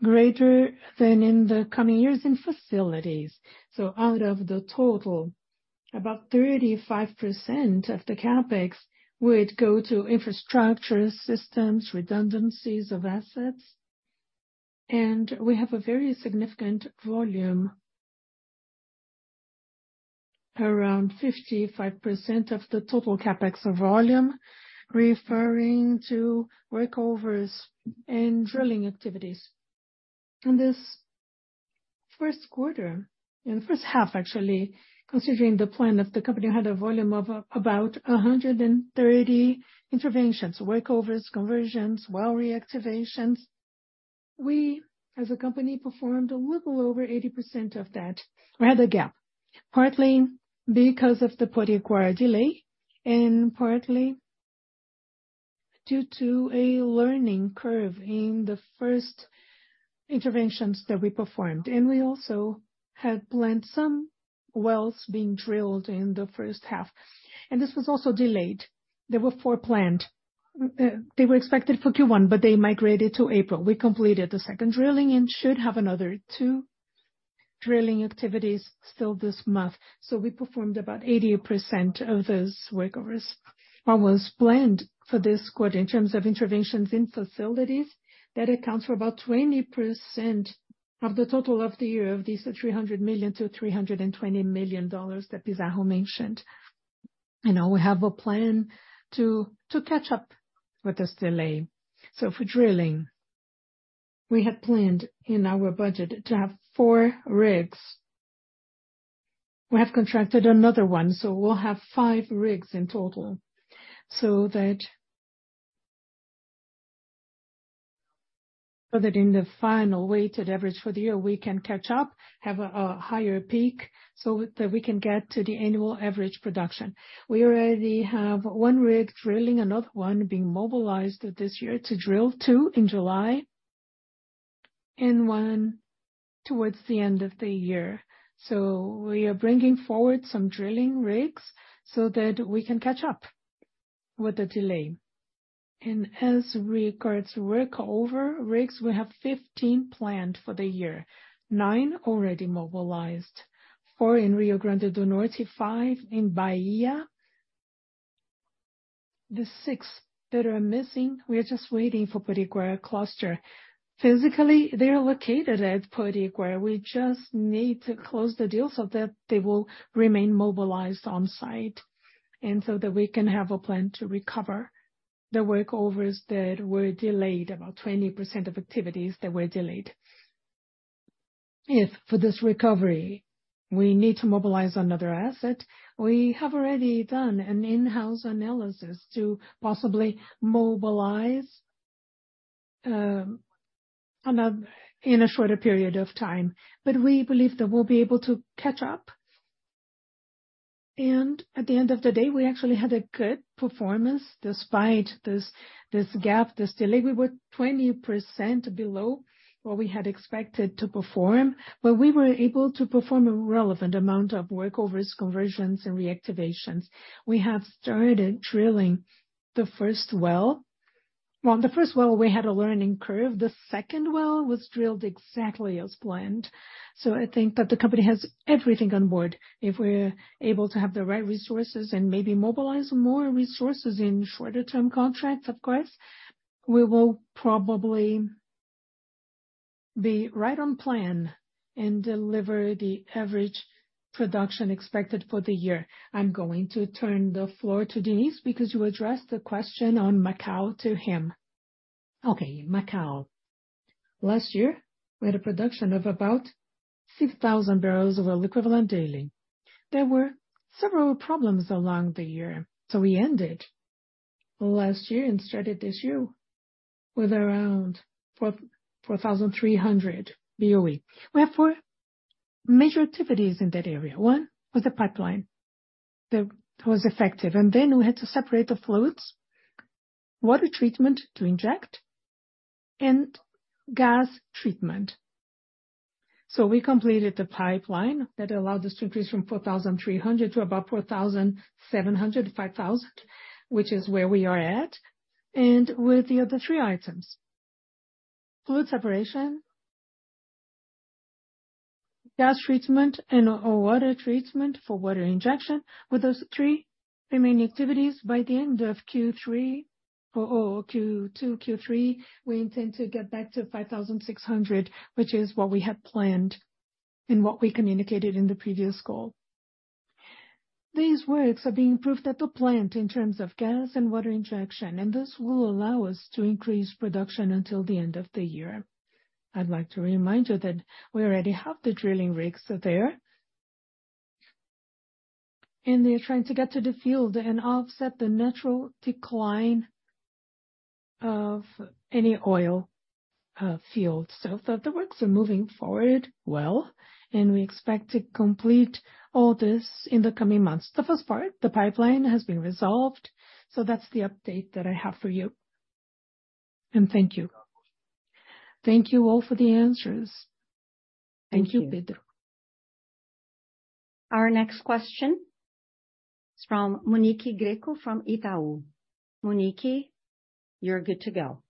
Greater than in the coming years in facilities. Out of the total, about 35% of the CapEx would go to infrastructure systems, redundancies of assets. We have a very significant volume, around 55% of the total CapEx volume, referring to workovers and drilling activities. In this first quarter, in the first half actually, considering the plan that the company had a volume of about 130 interventions, workovers, conversions, well reactivations. We, as a company, performed a little over 80% of that. We had a gap, partly because of the Puraquequara delay and partly due to a learning curve in the first interventions that we performed. We also had planned some wells being drilled in the first half, and this was also delayed. They were foreplanned. They were expected for Q1, but they migrated to April. We completed the second drilling and should have another two drilling activities still this month. We performed about 80% of those workovers, what was planned for this quarter in terms of interventions in facilities that accounts for about 20% of the total of the year of these $300 million-$320 million that Pizarro mentioned. Now we have a plan to catch up with this delay. For drilling, we had planned in our budget to have four rigs. We have contracted another one, so we'll have five rigs in total. In the final weighted average for the year, we can catch up, have a higher peak so that we can get to the annual average production. We already have one rig drilling, another one being mobilized this year to drill two in July and one towards the end of the year. We are bringing forward some drilling rigs so that we can catch up with the delay. As regards workover rigs, we have 15 planned for the year. Nine already mobilized, four in Rio Grande do Norte, five in Bahia. The six that are missing, we are just waiting for Puraquequara cluster. Physically, they are located at Puraquequara. We just need to close the deal so that they will remain mobilized on site, so that we can have a plan to recover the workovers that were delayed, about 20% of activities that were delayed. If for this recovery we need to mobilize another asset, we have already done an in-house analysis to possibly mobilize in a shorter period of time. We believe that we'll be able to catch up. At the end of the day, we actually had a good performance despite this gap, this delay. We were 20% below what we had expected to perform, but we were able to perform a relevant amount of workovers, conversions and reactivations. We have started drilling the first well. Well, on the first well, we had a learning curve. The second well was drilled exactly as planned. I think that the company has everything on board. If we're able to have the right resources and maybe mobilize more resources in shorter term contracts, of course, we will probably be right on plan and deliver the average production expected for the year. I'm going to turn the floor to Mauricio Diniz because you addressed the question on Macau to him. Macau. Last year, we had a production of about 6,000 barrels of oil equivalent daily. There were several problems along the year. We ended last year and started this year with around 4,300 BOE. We have four major activities in that area. One was the pipeline that was effective, and then we had to separate the fluids, water treatment to inject and gas treatment. We completed the pipeline that allowed us to increase from 4,300 to about 4,700, 5,000, which is where we are at. With the other three items, fluid separation, gas treatment and water treatment for water injection. With those three remaining activities, by the end of Q3 or Q2, Q3, we intend to get back to 5,600, which is what we had planned and what we communicated in the previous call. These works are being proved at the plant in terms of gas and water injection, and this will allow us to increase production until the end of the year. I'd like to remind you that we already have the drilling rigs there. They're trying to get to the field and offset the natural decline of any oil field. The works are moving forward well, and we expect to complete all this in the coming months. The first part, the pipeline, has been resolved. That's the update that I have for you. Thank you. Thank you all for the answers. Thank you, Pedro. Our next question is from Monique Greco from Itaú. Monique, you're good to go.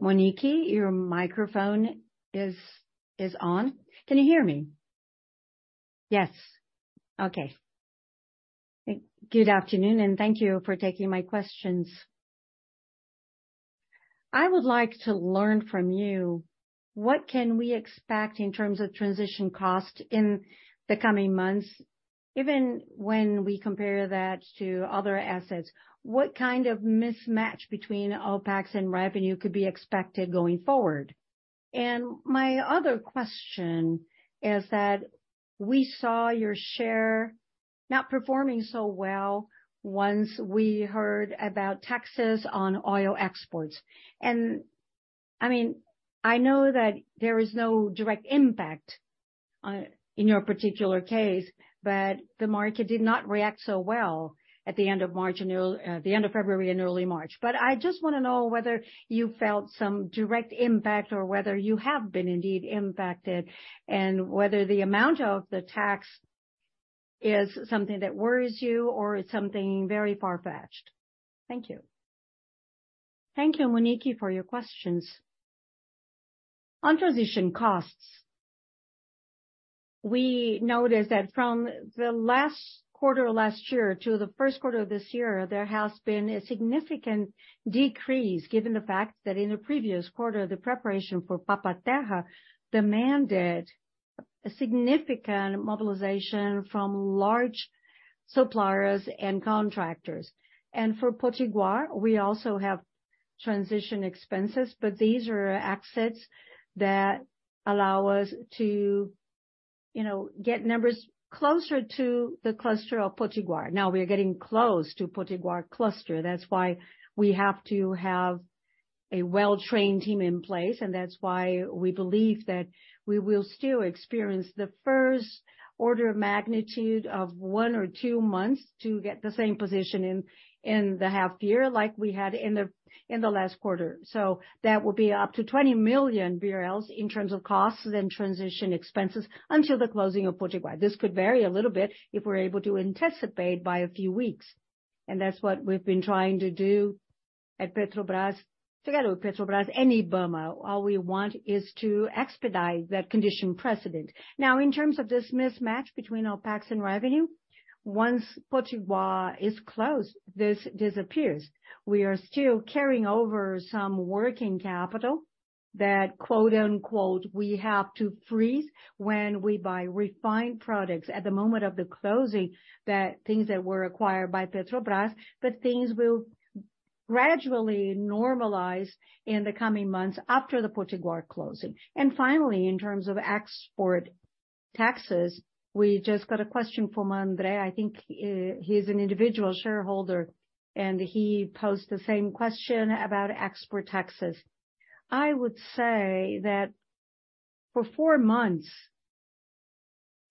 Monique, your microphone is on. Can you hear me? Yes. Okay. Good afternoon, and thank you for taking my questions. I would like to learn from you, what can we expect in terms of transition cost in the coming months, even when we compare that to other assets? What kind of mismatch between OpEx and revenue could be expected going forward? My other question is that we saw your share not performing so well once we heard about taxes on oil exports. I mean, I know that there is no direct impact in your particular case, but the market did not react so well at the end of March and the end of February and early March. I just wanna know whether you felt some direct impact or whether you have been indeed impacted, and whether the amount of the tax is something that worries you or is something very far-fetched. Thank you. Thank you, Monique, for your questions. On transition costs, we noticed that from the last quarter of last year to the first quarter of this year, there has been a significant decrease, given the fact that in the previous quarter, the preparation for Papa Terra demanded a significant mobilization from large suppliers and contractors. For Potiguar, we also have transition expenses, but these are assets that allow us to, you know, get numbers closer to the cluster of Potiguar. We are getting close to Potiguar cluster, that's why we have to have a well-trained team in place, and that's why we believe that we will still experience the first order of magnitude of 1 or 2 months to get the same position in the half year like we had in the last quarter. That will be up to 20 million barrels in terms of costs and transition expenses until the closing of Potiguar. This could vary a little bit if we're able to anticipate by a few weeks. That's what we've been trying to do at Petrobras. Together with Petrobras and Ibama, all we want is to expedite that condition precedent. Now, in terms of this mismatch between OpEx and revenue, once Potiguar is closed, this disappears. We are still carrying over some working capital that, quote-unquote, "we have to freeze" when we buy refined products at the moment of the closing, that things that were acquired by Petrobras, but things will gradually normalize in the coming months after the Potiguar closing. Finally, in terms of export taxes, we just got a question from Andre. I think he's an individual shareholder, and he posed the same question about export taxes. I would say that for four months,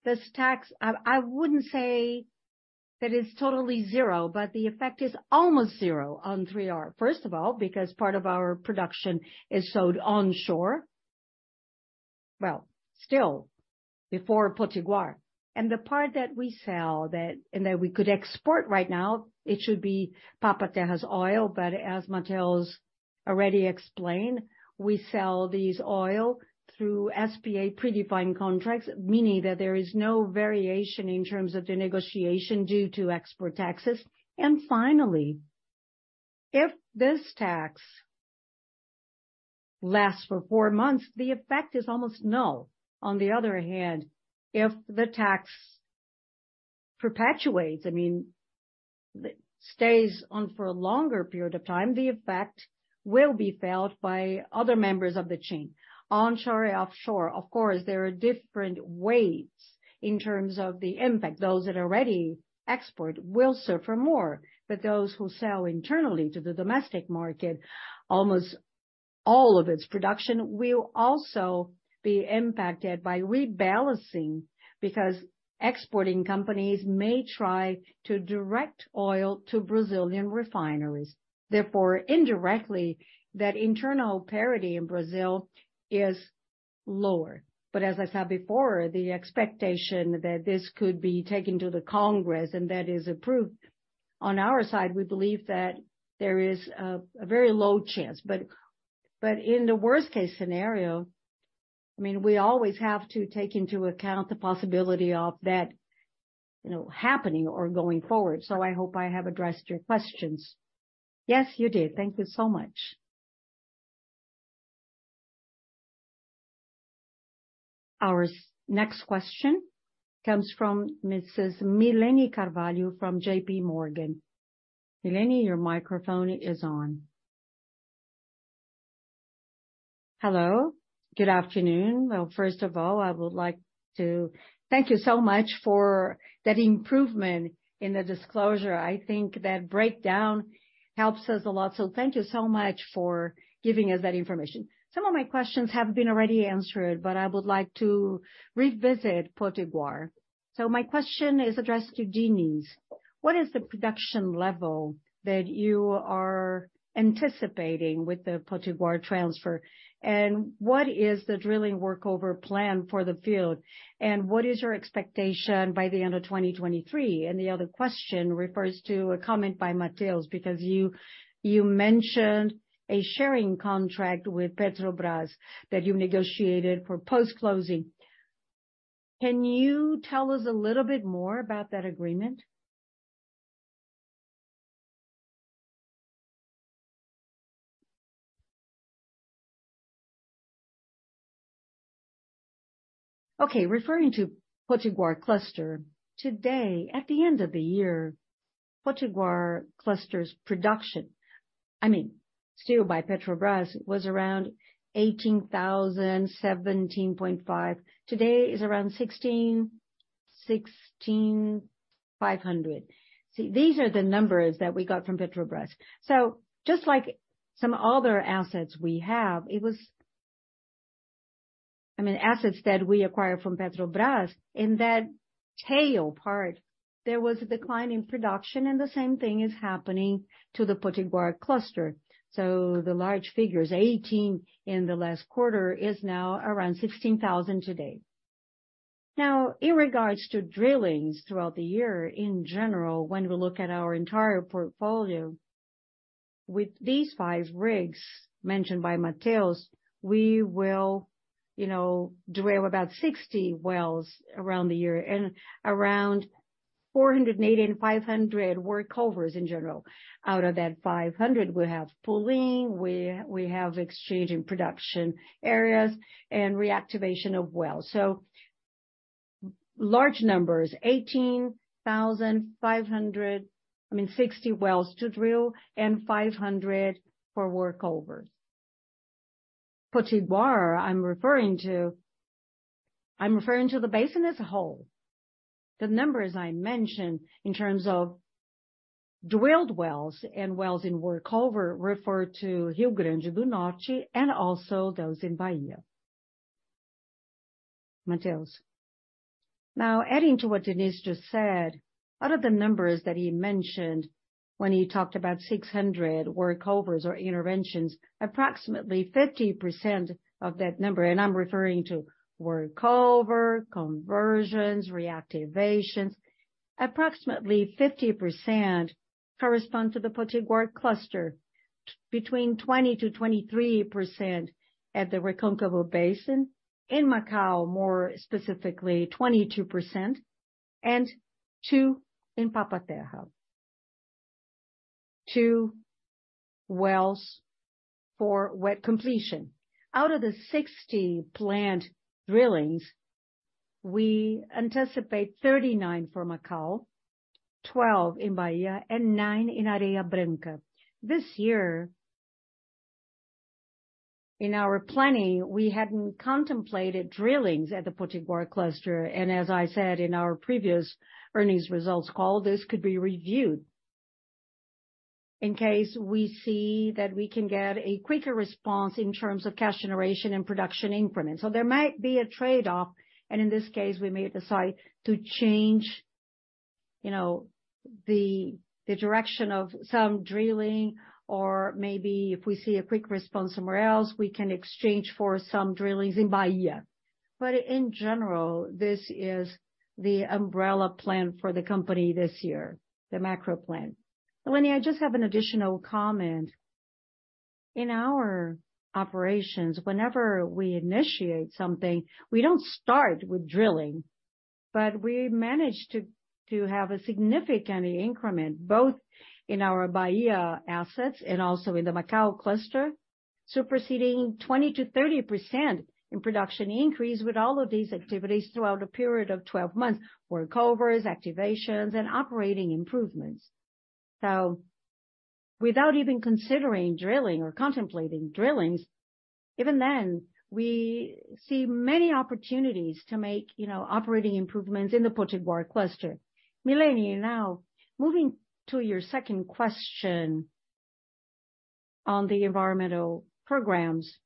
this tax... I wouldn't say that it's totally zero, but the effect is almost zero on 3R. First of all, because part of our production is sold onshore. Well, still, before Potiguar. The part that we sell that, and that we could export right now, it should be Papa Terra's oil, but as Matheus already explained, we sell these oil through SPA predefined contracts, meaning that there is no variation in terms of the negotiation due to export taxes. Finally, if this tax lasts for four months, the effect is almost null. On the other hand, if the tax perpetuates, I mean, stays on for a longer period of time, the effect will be felt by other members of the chain, onshore and offshore. Of course, there are different weights in terms of the impact. Those that already export will suffer more, but those who sell internally to the domestic market, almost all of its production will also be impacted by rebalancing because exporting companies may try to direct oil to Brazilian refineries. Therefore, indirectly, that internal parity in Brazil is lower. As I said before, the expectation that this could be taken to the Congress and that is approved, on our side, we believe that there is a very low chance. In the worst case scenario, I mean, we always have to take into account the possibility of that, you know, happening or going forward. I hope I have addressed your questions. Yes, you did. Thank you so much. Our next question comes from Mrs. Milene Carvalho from JPMorgan. Milene, your microphone is on. Hello, good afternoon. Well, first of all, I would like to thank you so much for that improvement in the disclosure. I think that breakdown helps us a lot. Thank you so much for giving us that information. Some of my questions have been already answered, but I would like to revisit Potiguar. My question is addressed to Diniz. What is the production level that you are anticipating with the Potiguar transfer? What is the drilling workover plan for the field? What is your expectation by the end of 2023? The other question refers to a comment by Matheus, because you mentioned a sharing contract with Petrobras that you negotiated for post-closing. Can you tell us a little bit more about that agreement? Okay, referring to Potiguar Cluster, today at the end of the year, Potiguar Cluster's production, I mean, still by Petrobras, was around 18,000, 17,500. Today is around 16,000, 16,500. See, these are the numbers that we got from Petrobras. Just like some other assets we have, I mean, assets that we acquired from Petrobras, in that tail part, there was a decline in production, and the same thing is happening to the Potiguar Cluster. The large figures, 18 in the last quarter, is now around 16,000 today. In regards to drillings throughout the year, in general, when we look at our entire portfolio, with these 5 rigs mentioned by Matheus, we will, you know, drill about 60 wells around the year and around 480 and 500 workovers in general. Out of that 500, we have pooling, we have exchange in production areas, and reactivation of wells. Large numbers, 18,500, I mean 60 wells to drill and 500 for workovers. Potiguar, I'm referring to the basin as a whole. The numbers I mentioned in terms of drilled wells and wells in workover refer to Rio Grande do Norte and also those in Bahia. Matheus. Adding to what Diniz just said, out of the numbers that he mentioned when he talked about 600 workovers or interventions, approximately 50% of that number, and I'm referring to workover, conversions, reactivations, approximately 50% correspond to the Potiguar Cluster, between 20%-23% at the Recôncavo Basin. In Macau, more specifically, 22%, and 2 in Papa Terra. Two wells for wet completion. Out of the 60 planned drillings, we anticipate 39 for Macau, 12 in Bahia, and 9 in Areia Branca. This year, in our planning, we hadn't contemplated drillings at the Potiguar Cluster, and as I said in our previous earnings results call, this could be reviewed in case we see that we can get a quicker response in terms of cash generation and production increment. There might be a trade-off, and in this case, we may decide to change, you know, the direction of some drilling, or maybe if we see a quick response somewhere else, we can exchange for some drillings in Bahia. In general, this is the umbrella plan for the company this year, the macro plan. Milene, I just have an additional comment. In our operations, whenever we initiate something, we don't start with drilling, but we managed to have a significant increment, both in our Bahia assets and also in the Macau cluster, superseding 20%-30% in production increase with all of these activities throughout a period of 12 months, workovers, activations, and operating improvements. Without even considering drilling or contemplating drillings, even then, we see many opportunities to make, you know, operating improvements in the Potiguar Cluster. Milene, now, moving to your second question on the environmental programs,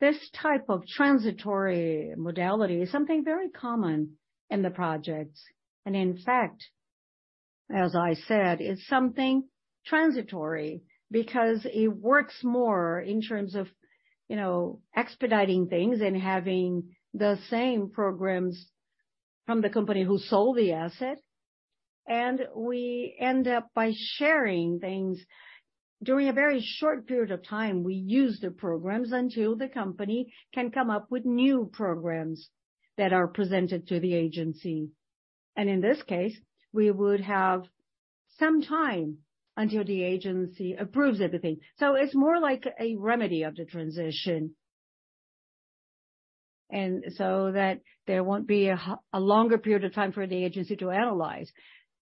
this type of transitory modality is something very common in the projects. In fact, as I said, it's something transitory because it works more in terms of, you know, expediting things and having the same programs from the company who sold the asset. We end up by sharing things. During a very short period of time, we use the programs until the company can come up with new programs that are presented to the agency. In this case, we would have some time until the agency approves everything. It's more like a remedy of the transition. That there won't be a longer period of time for the agency to analyze.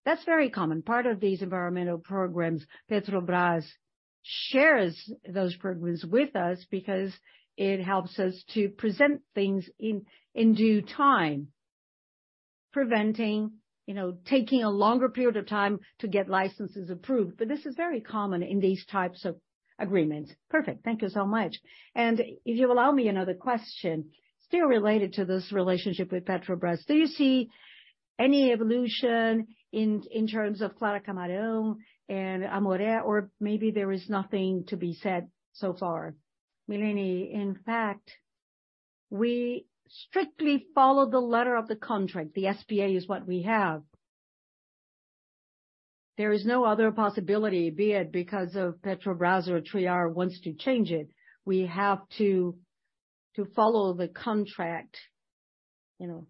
That's very common. Part of these environmental programs, Petrobras shares those programs with us because it helps us to present things in due time, preventing, you know, taking a longer period of time to get licenses approved. This is very common in these types of agreements. Perfect. Thank you so much. If you allow me another question, still related to this relationship with Petrobras. Do you see any evolution in terms of Clara Camarão and Canto do Amaro, or maybe there is nothing to be said so far? Milene, in fact, we strictly follow the letter of the contract. The SPA is what we have. There is no other possibility, be it because of Petrobras or 3R wants to change it. We have to follow the contract, you know,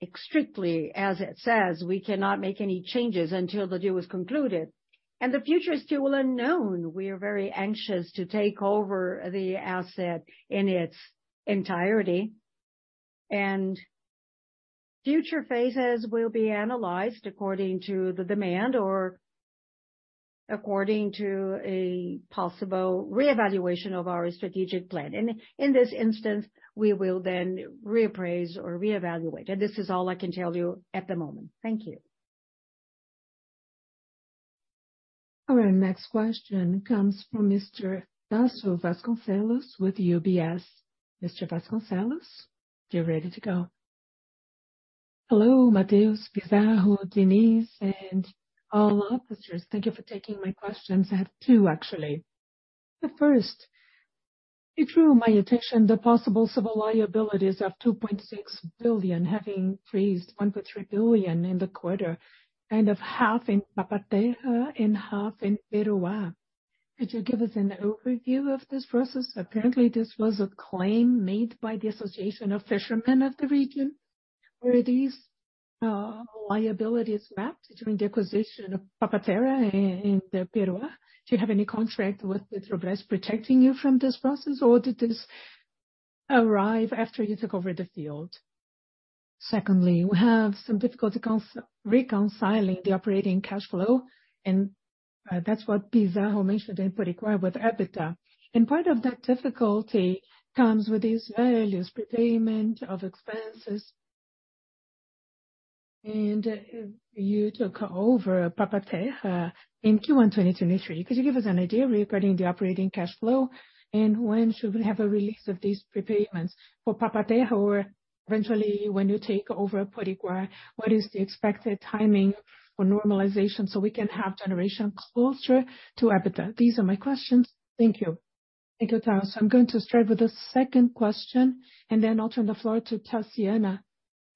extremely as it says. We cannot make any changes until the deal is concluded. The future is still unknown. We are very anxious to take over the asset in its entirety. Future phases will be analyzed according to the demand or according to a possible reevaluation of our strategic plan. In this instance, we will then reappraise or reevaluate. This is all I can tell you at the moment. Thank you. Our next question comes from Mr. Tasso Vasconcellos with UBS. Mr. Vasconcellos, get ready to go. Hello, Matheus, Pizarro, Diniz, and all officers. Thank you for taking my questions. I have two, actually. The first, it drew my attention the possible civil liabilities of $2.6 billion, having raised $1.3 billion in the quarter, kind of half in Papa Terra and half in Piruá. Could you give us an overview of this process? Apparently, this was a claim made by the Association of Fishermen of the region. Were these liabilities mapped during the acquisition of Papa Terra and Piruá? Do you have any contract with Petrobras protecting you from this process, or did this arrive after you took over the field? Secondly, we have some difficulty reconciling the operating cash flow, and that's what Pizarro mentioned in Piruá with EBITDA. Part of that difficulty comes with these values, prepayment of expenses. You took over Papa Terra in Q1 2023. Could you give us an idea regarding the operating cash flow and when should we have a release of these prepayments for Papa Terra or eventually when you take over Piruá? What is the expected timing for normalization, so we can have generation closer to EBITDA? These are my questions. Thank you. Thank you, Tasso. I'm going to start with the second question and then I'll turn the floor to Taciana,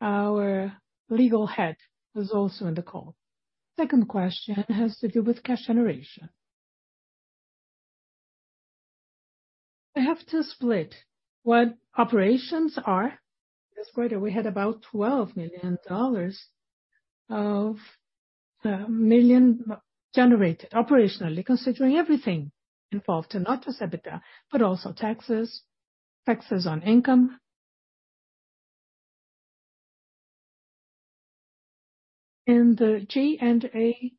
our legal head, who's also on the call. Second question has to do with cash generation. I have to split what operations are. This quarter, we had about $12 million generated operationally, considering everything involved, not just EBITDA, but also taxes on income. The G&A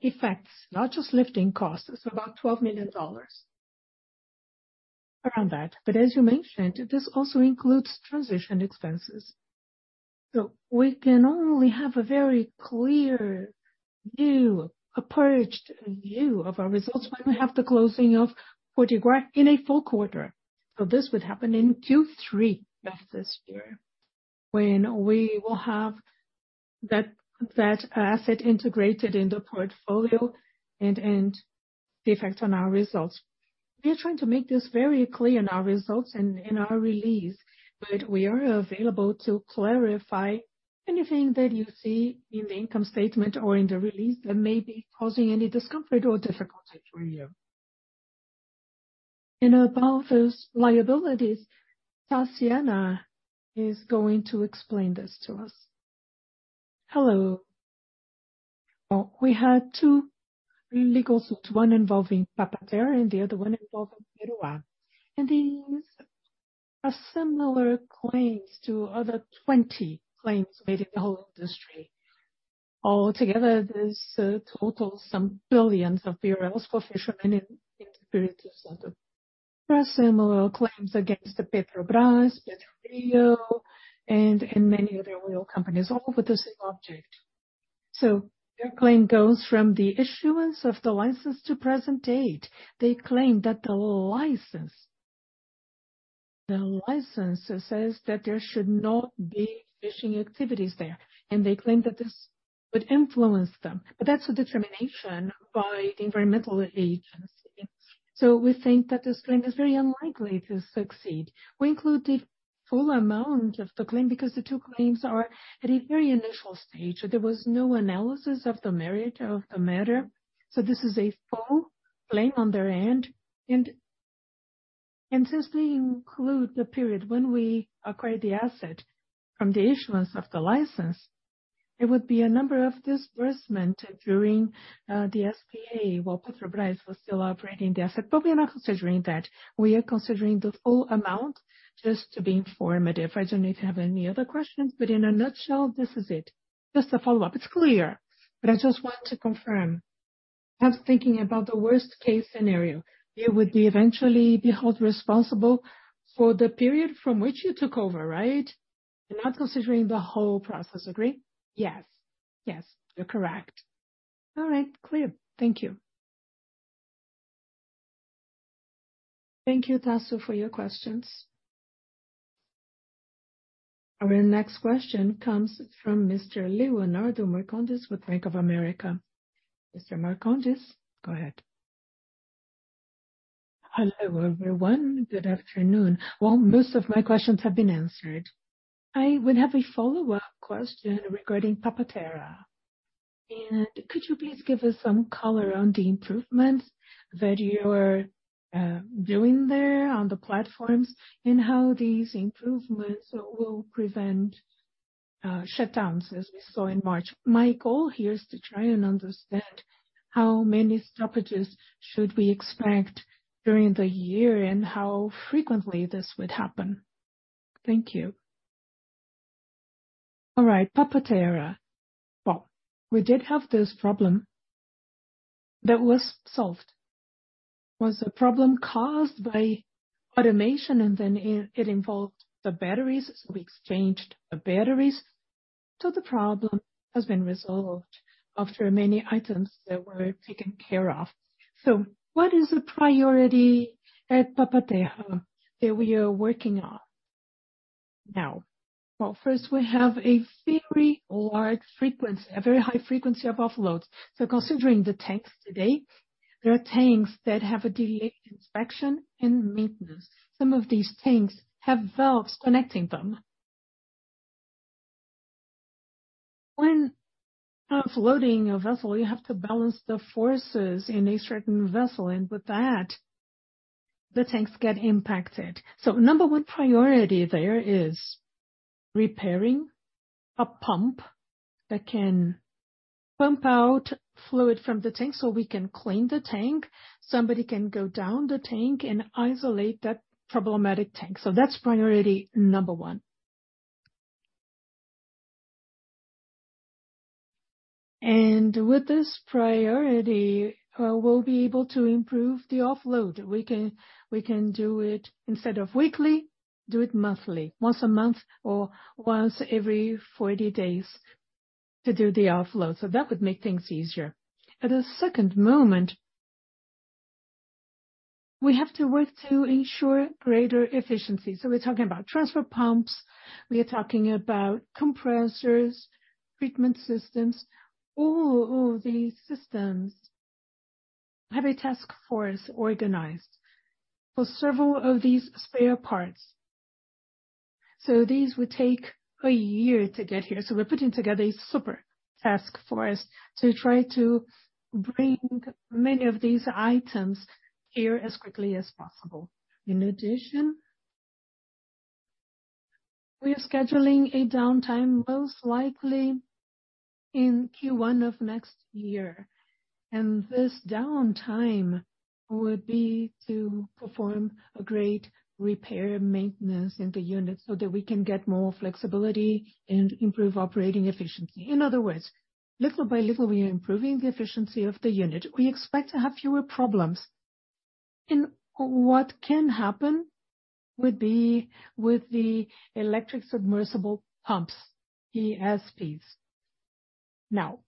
effects, not just lifting costs. It's about $12 million around that. As you mentioned, this also includes transition expenses. We can only have a very clear view, a purged view of our results when we have the closing of Piruá in a full quarter. This would happen in Q3 of this year, when we will have that asset integrated in the portfolio and the effect on our results. We are trying to make this very clear in our results and in our release, but we are available to clarify anything that you see in the income statement or in the release that may be causing any discomfort or difficulty for you. About those liabilities, Taciana is going to explain this to us. Hello. We had two legal suits, one involving Papa Terra and the other one involving Peroá. These are similar claims to other 20 claims made in the whole industry. Altogether, this totals some billion BRL for fishermen in the Pernambuco sector. There are similar claims against Petrobras, PetroRio, and many other oil companies, all with the same object. Their claim goes from the issuance of the license to present date. They claim that the license says that there should not be fishing activities there, and they claim that this would influence them. That's a determination by the environmental agency. We think that this claim is very unlikely to succeed. We include the full amount of the claim because the two claims are at a very initial stage. There was no analysis of the merit of the matter. This is a full claim on their end. Since we include the period when we acquired the asset from the issuance of the license, it would be a number of disbursement during the SPA while Petrobras was still operating the asset. We are not considering that. We are considering the full amount just to be informative. I don't know if you have any other questions, in a nutshell, this is it. Just a follow-up. It's clear, I just want to confirm. I was thinking about the worst case scenario. You would eventually be held responsible for the period from which you took over, right? Not considering the whole process. Agree? Yes, you're correct. All right. Clear. Thank you. Thank you, Tasso, for your questions. Our next question comes from Mr. Leonardo Marcondes with Bank of America. Mr. Marcondes, go ahead. Hello, everyone. Good afternoon. Most of my questions have been answered. I would have a follow-up question regarding Papa Terra. Could you please give us some color on the improvements that you're doing there on the platforms, and how these improvements will prevent shutdowns as we saw in March? My goal here is to try and understand how many stoppages should we expect during the year and how frequently this would happen. Thank you. All right. Papa Terra. We did have this problem that was solved. Was a problem caused by automation, and then it involved the batteries. We exchanged the batteries. The problem has been resolved after many items that were taken care of. What is the priority at Papa Terra that we are working on now? First, we have a very high frequency of offloads. Considering the tanks today, there are tanks that have a delayed inspection and maintenance. Some of these tanks have valves connecting them. When offloading a vessel, you have to balance the forces in a certain vessel, and with that, the tanks get impacted. Number 1 priority there is repairing a pump that can pump out fluid from the tank so we can clean the tank. Somebody can go down the tank and isolate that problematic tank. That's priority number 1. And with this priority, we'll be able to improve the offload. We can do it instead of weekly, do it monthly, once a month or once every 40 days to do the offload. That would make things easier. At a second moment, we have to work to ensure greater efficiency. We're talking about transfer pumps. We are talking about compressors, treatment systems. All of these systems have a task force organized for several of these spare parts. These would take a year to get here. We're putting together a super task force to try to bring many of these items here as quickly as possible. In addition, we are scheduling a downtime, most likely in Q1 of next year. This downtime would be to perform a great repair maintenance in the unit so that we can get more flexibility and improve operating efficiency. In other words, little by little, we are improving the efficiency of the unit. We expect to have fewer problems. What can happen would be with the electric submersible pumps, ESPs. Now,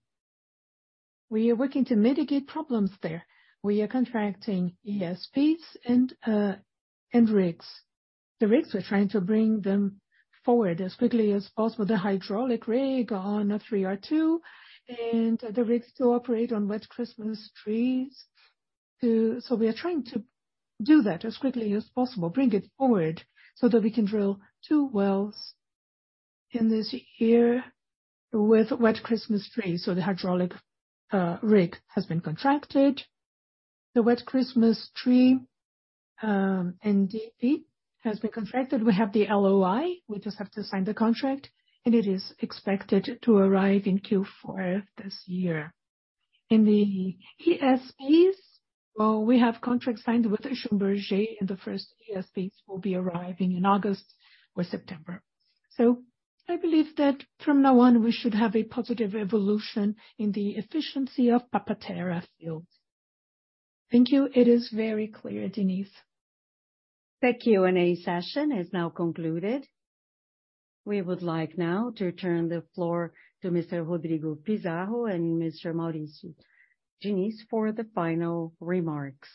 we are working to mitigate problems there. We are contracting ESPs and rigs. The rigs, we're trying to bring them forward as quickly as possible. The hydraulic rig on 3-2 and the rigs to operate on wet Christmas trees too. We are trying to do that as quickly as possible, bring it forward so that we can drill two wells in this year with wet Christmas trees. The hydraulic rig has been contracted. The wet Christmas tree NDP has been contracted. We have the LOI, we just have to sign the contract, and it is expected to arrive in Q4 this year. In the ESPs, well, we have contracts signed with Schlumberger, and the first ESPs will be arriving in August or September. I believe that from now on, we should have a positive evolution in the efficiency of Papa Terra field. Thank you. It is very clear, Dias. The Q&A session has now concluded. We would like now to turn the floor to Mr. Rodrigo Pizarro and Mr. Mauricio Diniz for the final remarks.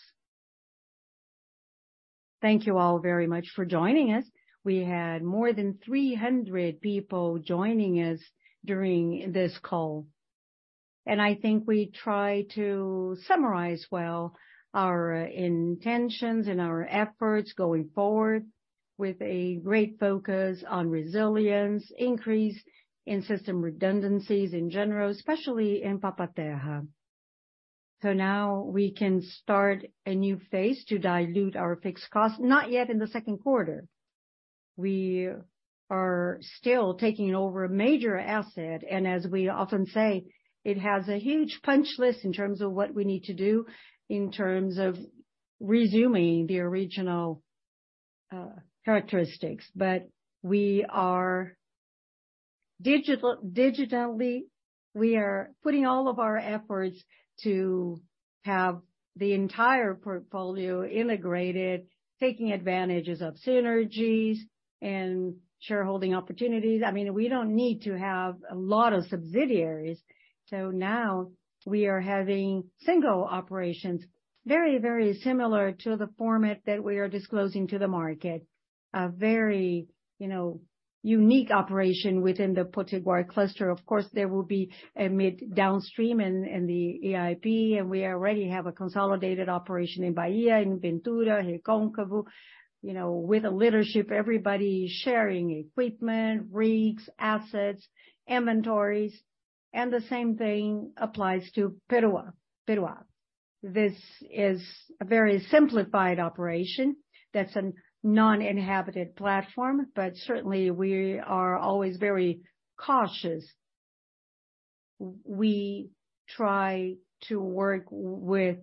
Thank you all very much for joining us. We had more than 300 people joining us during this call. I think we try to summarize well our intentions and our efforts going forward with a great focus on resilience, increase in system redundancies in general, especially in Papa Terra. Now we can start a new phase to dilute our fixed costs. Not yet in the second quarter. We are still taking over a major asset, and as we often say, it has a huge punch list in terms of what we need to do in terms of resuming the original characteristics. We are digitally putting all of our efforts to have the entire portfolio integrated, taking advantages of synergies and shareholding opportunities. I mean, we don't need to have a lot of subsidiaries. Now we are having single operations, very similar to the format that we are disclosing to the market. A very unique operation within the Potiguar cluster. Of course, there will be a mid downstream and the EIP, and we already have a consolidated operation in Bahia, in Ventura, in Recôncavo. You know, with the leadership, everybody sharing equipment, rigs, assets, inventories. The same thing applies to Peroá. This is a very simplified operation that's a non-inhabited platform, but certainly we are always very cautious. We try to work with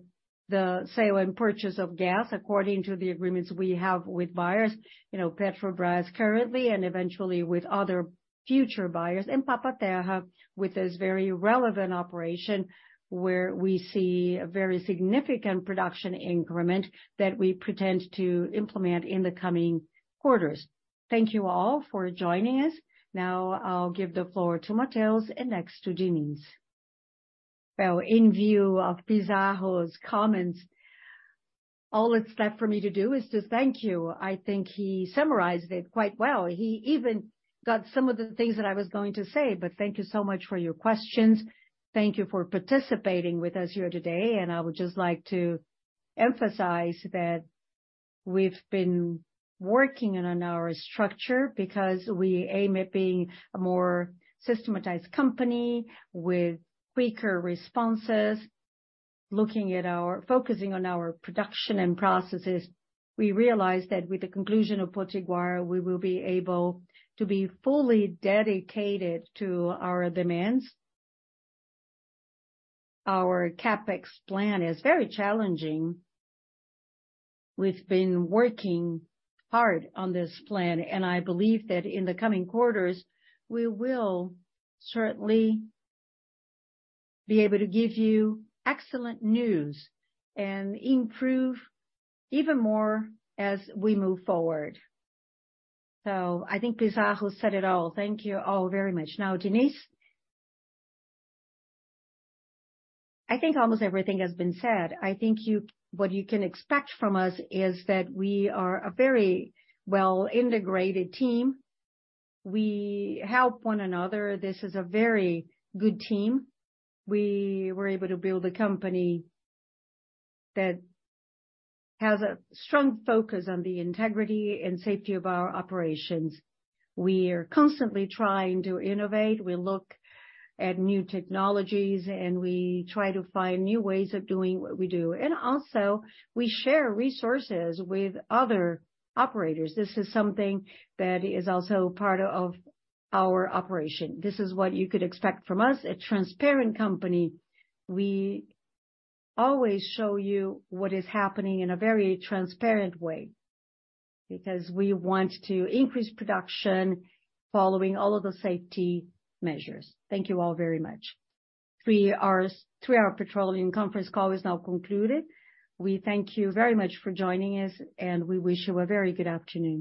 the sale and purchase of gas according to the agreements we have with buyers. You know, Petrobras currently, and eventually with other future buyers in Papa Terra, with this very relevant operation where we see a very significant production increment that we pretend to implement in the coming quarters. Thank you all for joining us. Now I'll give the floor to Matheus and next to Diniz. Well, in view of Pizarro's comments, all that's left for me to do is to thank you. I think he summarized it quite well. He even got some of the things that I was going to say. Thank you so much for your questions. Thank you for participating with us here today. I would just like to emphasize that we've been working on our structure because we aim at being a more systematized company with quicker responses. Focusing on our production and processes, we realized that with the conclusion of Potiguar, we will be able to be fully dedicated to our demands. Our CapEx plan is very challenging. We've been working hard on this plan. I believe that in the coming quarters, we will certainly be able to give you excellent news and improve even more as we move forward. I think Pizarro said it all. Thank you all very much. Now, Diniz. I think almost everything has been said. I think what you can expect from us is that we are a very well integrated team. We help one another. This is a very good team. We were able to build a company that has a strong focus on the integrity and safety of our operations. We are constantly trying to innovate. We look at new technologies, and we try to find new ways of doing what we do. We share resources with other operators. This is something that is also part of our operation. This is what you could expect from us, a transparent company. We always show you what is happening in a very transparent way because we want to increase production following all of the safety measures. Thank you all very much. 3R Petroleum conference call is now concluded. We thank you very much for joining us, and we wish you a very good afternoon.